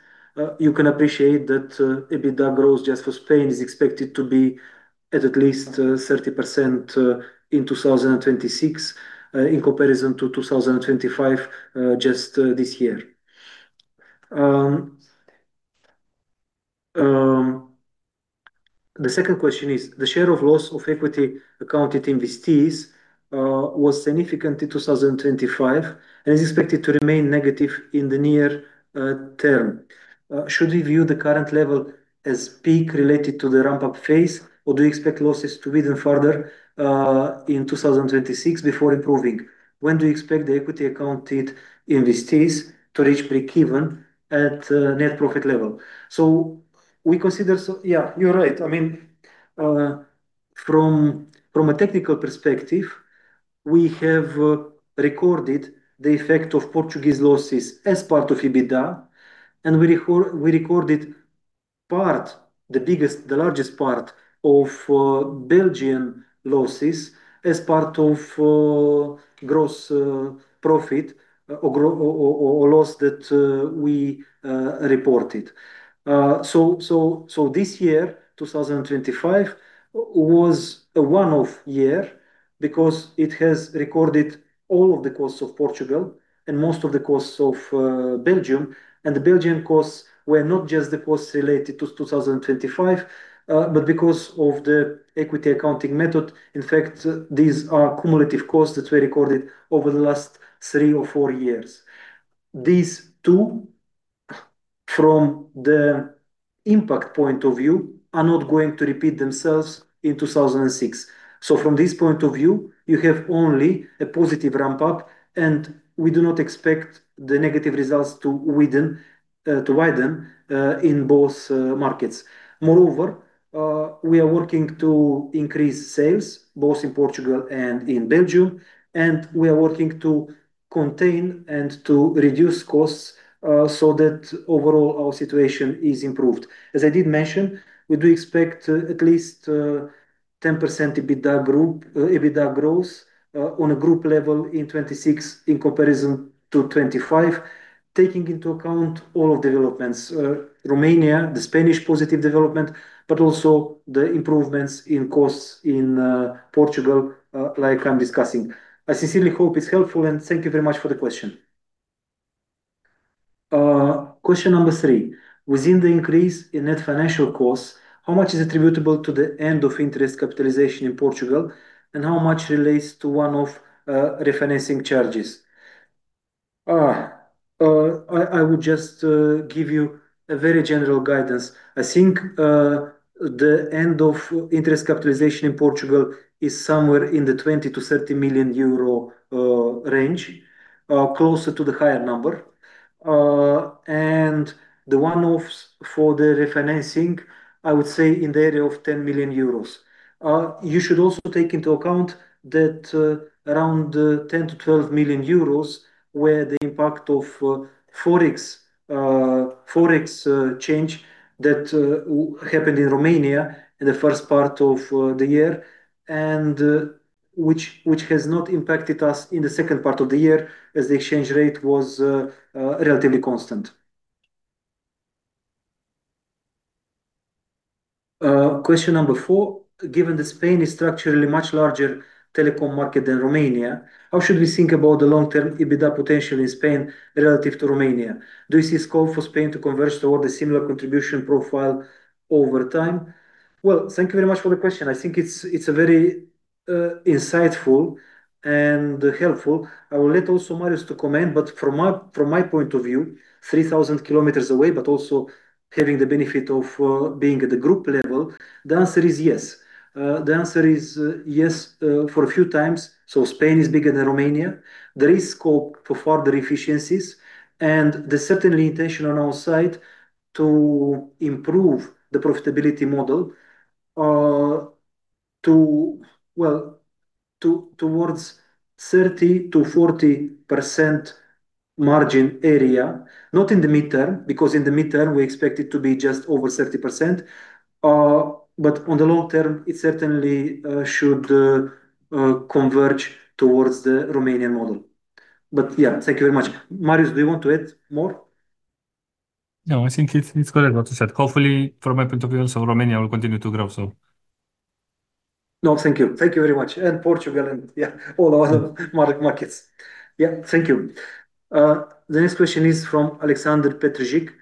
You can appreciate that EBITDA growth just for Spain is expected to be at at least 30% in 2026, in comparison to 2025, just this year. The second question is: The share of loss of equity accounted investees was significant in 2025 and is expected to remain negative in the near term. Should we view the current level as peak related to the ramp-up phase, or do you expect losses to widen further in 2026 before improving? When do you expect the equity accounted investees to reach breakeven at net profit level? We consider... Yeah, you're right. I mean, from, from a technical perspective, we have recorded the effect of Portuguese losses as part of EBITDA, and we recorded part, the biggest, the largest part of Belgian losses as part of gross profit, or loss that we reported. So, this year, 2025, was a one-off year because it has recorded all of the costs of Portugal and most of the costs of Belgium. The Belgian costs were not just the costs related to 2025, but because of the equity accounting method. In fact, these are cumulative costs that we recorded over the last three or four years. These two, from the impact point of view, are not going to repeat themselves in 2006. From this point of view, you have only a positive ramp-up, and we do not expect the negative results to widen, to widen, in both markets. Moreover, we are working to increase sales both in Portugal and in Belgium, and we are working to contain and to reduce costs, so that overall our situation is improved. As I did mention, we do expect at least 10% EBITDA group EBITDA growth on a group level in 2026 in comparison to 2025, taking into account all of developments, Romania, the Spanish positive development, also the improvements in costs in Portugal, like I'm discussing. I sincerely hope it's helpful. Thank you very much for the question. Question number three. Within the increase in net financial costs, how much is attributable to the end of interest capitalization in Portugal? How much relates to one of refinancing charges? I would just give you a very general guidance. I think the end of interest capitalization in Portugal is somewhere in the 20 million-30 million euro range, closer to the higher number. The one-offs for the refinancing, I would say in the area of 10 million euros. You should also take into account that around 10 million-12 million euros were the impact of Forex, Forex change that happened in Romania in the first part of the year, which has not impacted us in the second part of the year, as the exchange rate was relatively constant. Question number four. Given that Spain is structurally much larger telecom market than Romania, how should we think about the long-term EBITDA potential in Spain relative to Romania? Do you see scope for Spain to converge toward a similar contribution profile over time? Well, thank you very much for the question. I think it's, it's a very insightful and helpful. I will let also Marius to comment, but from my, from my point of view, 3,000 km away, but also having the benefit of being at the group level, the answer is yes. The answer is yes for a few times. Spain is bigger than Romania. There is scope for further efficiencies, and there's certainly intention on our side to improve the profitability model to, well, towards 30%-40% margin area. Not in the mid-term, because in the mid-term, we expect it to be just over 30%. On the long term, it certainly should converge towards the Romanian model. Yeah, thank you very much. Marius, do you want to add more? No, I think it's, it's correct what you said. Hopefully, from my point of view, also, Romania will continue to grow, so. No, thank you. Thank you very much. Portugal, and yeah, all the other market, markets. Yeah. Thank you. The next question is from Aleksandar Petricevic.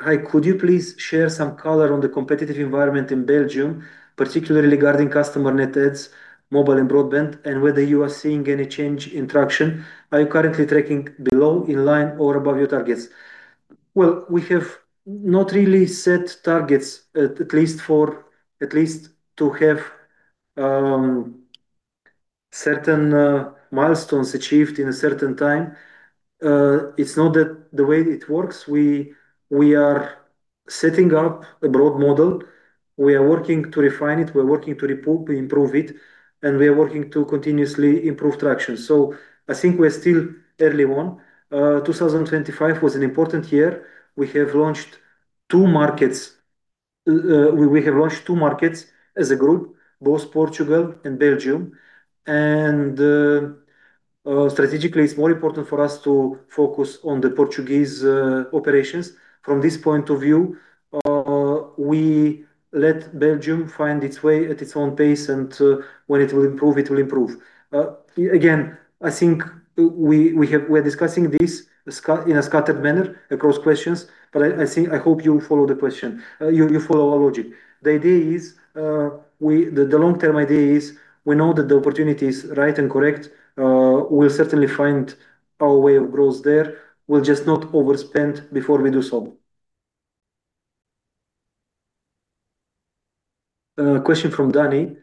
Hi, could you please share some color on the competitive environment in Belgium, particularly regarding customer net adds, mobile and broadband, and whether you are seeing any change in traction? Are you currently tracking below, in line, or above your targets? Well, we have not really set targets, at, at least for-- at least to have certain milestones achieved in a certain time. It's not that the way it works. We, we are setting up a broad model. We are working to refine it, we are working to repoop, improve it, and we are working to continuously improve traction. I think we're still early on. 2025 was an important year. We have launched two markets. We, we have launched two markets as a group, both Portugal and Belgium. Strategically, it's more important for us to focus on the Portuguese operations. From this point of view, we let Belgium find its way at its own pace, and when it will improve, it will improve. Again, I think we, we're discussing this in a scattered manner across questions, but I, I think, I hope you follow the question. You, you follow our logic. The idea is, the long-term idea is we know that the opportunity is right and correct. We'll certainly find our way of growth there. We'll just not overspend before we do so. Question from Danny.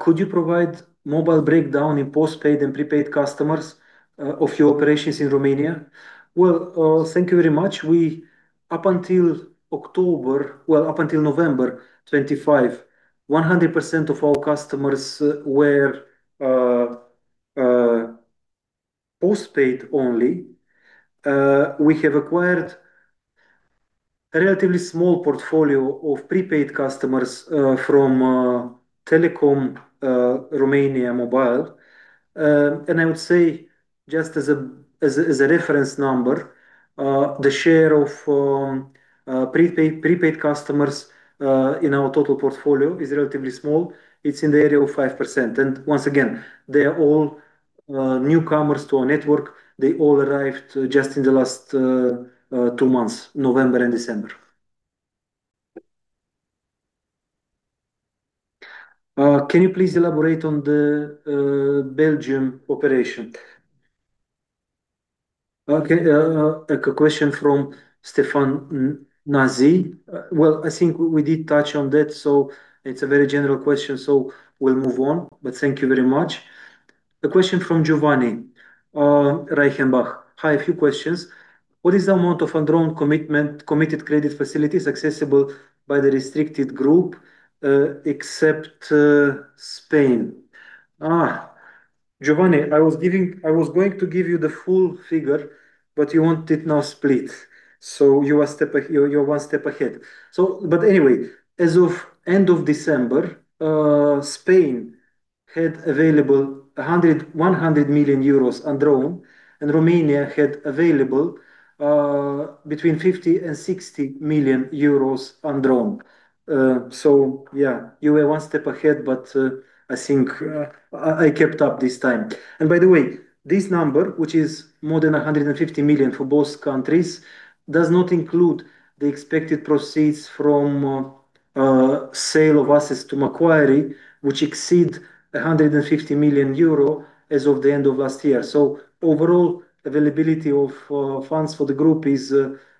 Could you provide mobile breakdown in postpaid and prepaid customers of your operations in Romania? Well, thank you very much. We up until October... Well, up until November 25, 100% of our customers were postpaid only. We have acquired a relatively small portfolio of prepaid customers from Telekom Romania Mobile. I would say, just as a, as a, as a reference number, the share of prepaid, prepaid customers in our total portfolio is relatively small. It's in the area of 5%, and once again, they are all newcomers to our network. They all arrived just in the last two months, November and December. Can you please elaborate on the Belgium operation? Okay, a question from Stefan Nazy. Well, I think we did touch on that, so it's a very general question, so we'll move on. Thank you very much. A question from Giovanni Reichenbach. Hi, a few questions. What is the amount of undrawn commitment, committed credit facilities accessible by the restricted group, except Spain? Ah, Giovanni, I was going to give you the full figure, but you want it now split, you're one step ahead. Anyway, as of end of December, Spain had available 100 million euros undrawn, and Romania had available between 50 million and 60 million euros undrawn. Yeah, you were one step ahead, but I think I kept up this time. By the way, this number, which is more than 150 million for both countries, does not include the expected proceeds from sale of assets to Macquarie, which exceed 150 million euro as of the end of last year. Overall, availability of funds for the group is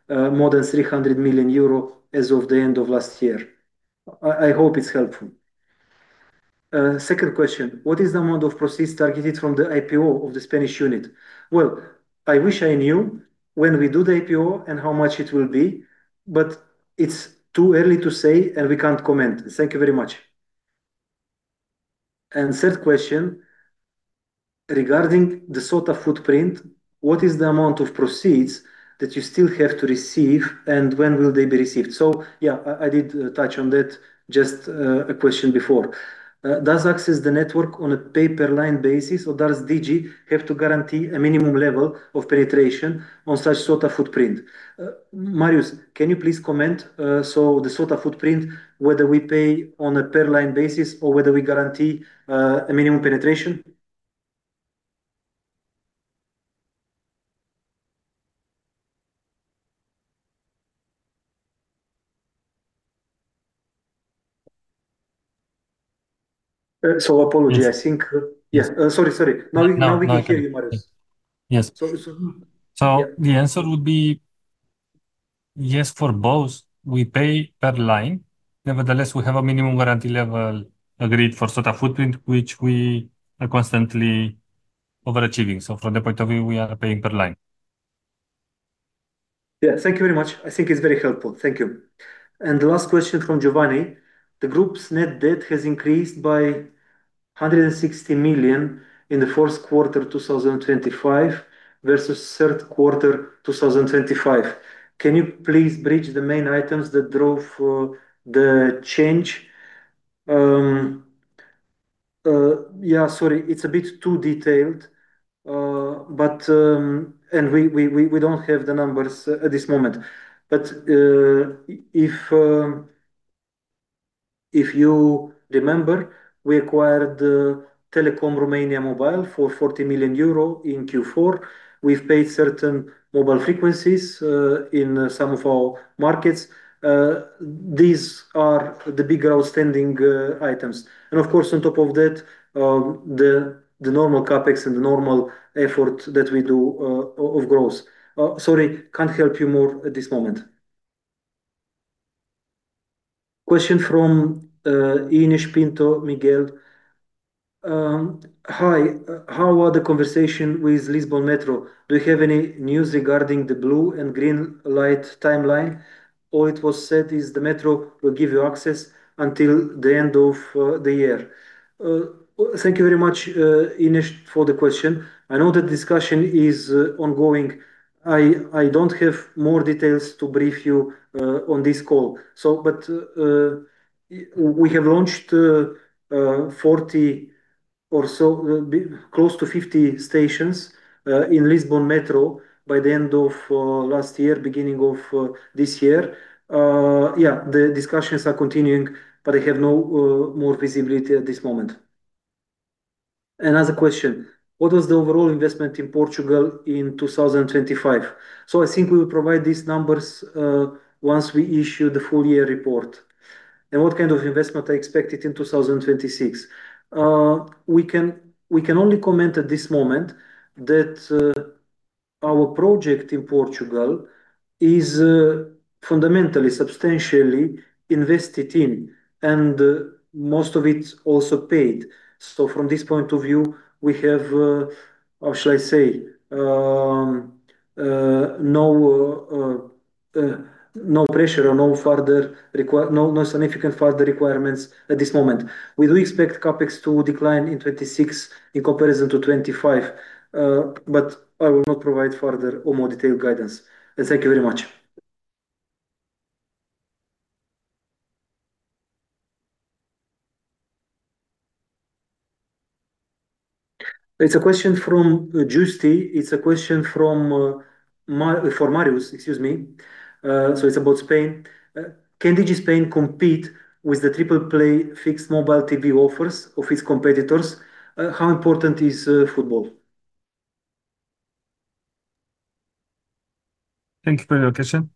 more than 300 million euro as of the end of last year. I hope it's helpful. Second question: What is the amount of proceeds targeted from the IPO of the Spanish unit? Well, I wish I knew when we do the IPO and how much it will be, but it's too early to say, and we can't comment. Thank you very much. Third question: Regarding the SOTA footprint, what is the amount of proceeds that you still have to receive, and when will they be received? Yeah, I, I did touch on that just a question before. Does access the network on a pay-per-line basis, or does Digi have to guarantee a minimum level of penetration on such SOTA footprint? Marius, can you please comment, so the SOTA footprint, whether we pay on a per-line basis or whether we guarantee a minimum penetration? So apology, I think... Yes. Sorry, sorry. Now, now we can hear you, Marius. Yes. So, so- The answer would be yes for both. We pay per line. Nevertheless, we have a minimum guarantee level agreed for SOTA footprint, which we are constantly overachieving. From that point of view, we are paying per line. Yeah. Thank you very much. I think it's very helpful. Thank you. The last question from Giovanni: The group's net debt has increased by 160 million in the first quarter 2025 versus third quarter 2025. Can you please bridge the main items that drove the change? Yeah, sorry, it's a bit too detailed, but we, we, we, we don't have the numbers at this moment. If you remember, we acquired the Telekom Romania Mobile for 40 million euro in Q4. We've paid certain mobile frequencies in some of our markets. These are the bigger outstanding items. Of course, on top of that, the, the normal CapEx and the normal effort that we do o-of growth. Sorry, can't help you more at this moment. Question from, Ines Pinto, Miguel. Hi, how are the conversation with Lisbon Metro? Do you have any news regarding the blue and green light timeline? All it was said is the Metro will give you access until the end of the year. Thank you very much, Ines, for the question. I know the discussion is ongoing. I, I don't have more details to brief you on this call. We have launched 40 or so close to 50 stations in Lisbon Metro by the end of last year, beginning of this year. The discussions are continuing, but I have no more visibility at this moment. Another question: What was the overall investment in Portugal in 2025? I think we will provide these numbers once we issue the full year report. What kind of investment are expected in 2026? We can, we can only comment at this moment that our project in Portugal is fundamentally, substantially invested in, and most of it's also paid. From this point of view, we have, how should I say? No, no pressure or no further no, no significant further requirements at this moment. We do expect CapEx to decline in 2026 in comparison to 2025, but I will not provide further or more detailed guidance. Thank you very much. It's a question from Justine. It's a question for Marius, excuse me. It's about Spain. Can Digi Spain compete with the triple play fixed mobile TV offers of its competitors? How important is football? Thank you for your question.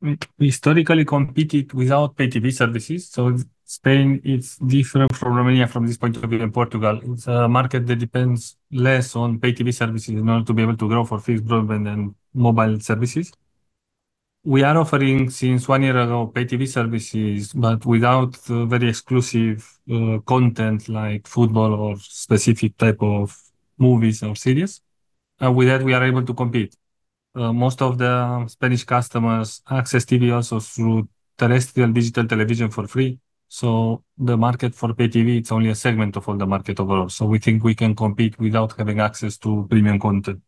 We historically competed without pay TV services, so Spain is different from Romania from this point of view, and Portugal. It's a market that depends less on pay TV services in order to be able to grow for fixed broadband and mobile services. We are offering since one year ago, pay TV services, but without very exclusive content like football or specific type of movies or series, and with that, we are able to compete. Most of the Spanish customers access TV also through terrestrial digital television for free. The market for pay TV, it's only a segment of all the market overall. We think we can compete without having access to premium content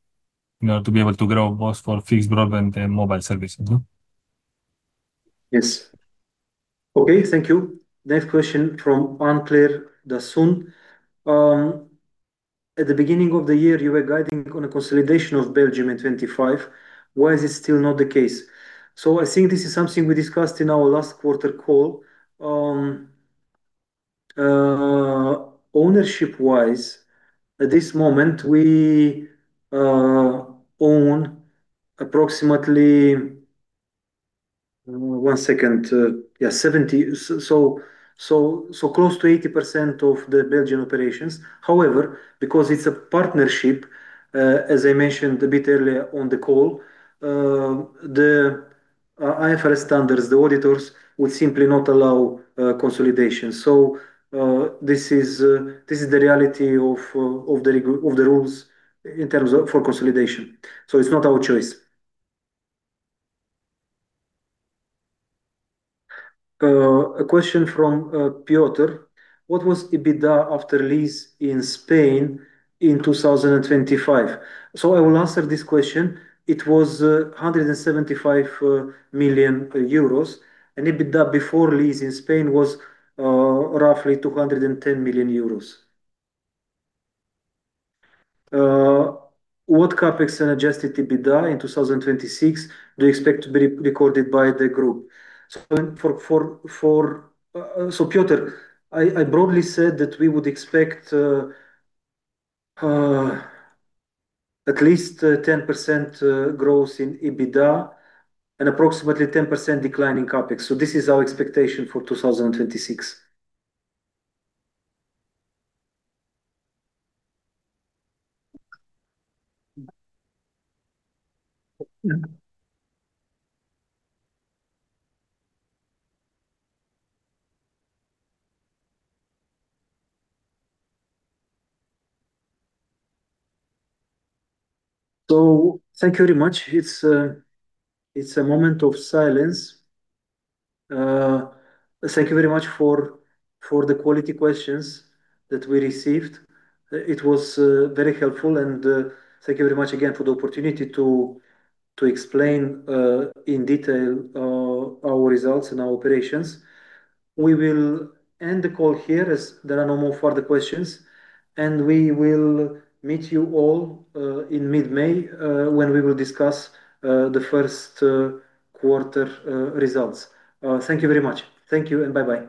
in order to be able to grow both for fixed broadband and mobile services. Yes. Okay. Thank you. Next question from Anne-Claire D'Asson. "At the beginning of the year, you were guiding on a consolidation of Belgium in 2025. Why is it still not the case?" I think this is something we discussed in our last quarter call. Ownership-wise, at this moment, we own approximately... One second, yeah, 70%. Close to 80% of the Belgian operations. However, because it's a partnership, as I mentioned a bit earlier on the call, the IFRS standards, the auditors would simply not allow consolidation. This is the reality of the rules in terms of for consolidation. It's not our choice. A question from Piotr: "What was EBITDA after lease in Spain in 2025?" I will answer this question. It was 175 million euros, and EBITDA before lease in Spain was roughly 210 million euros. What CapEx and adjusted EBITDA in 2026 do you expect to be re-recorded by the group? Piotr, I broadly said that we would expect at least 10% growth in EBITDA and approximately 10% decline in CapEx. This is our expectation for 2026. Thank you very much. It's a moment of silence. Thank you very much for the quality questions that we received. It was very helpful, and thank you very much again for the opportunity to explain in detail our results and our operations. We will end the call here as there are no more further questions, and we will meet you all in mid-May when we will discuss the first quarter results. Thank you very much. Thank you, and bye-bye.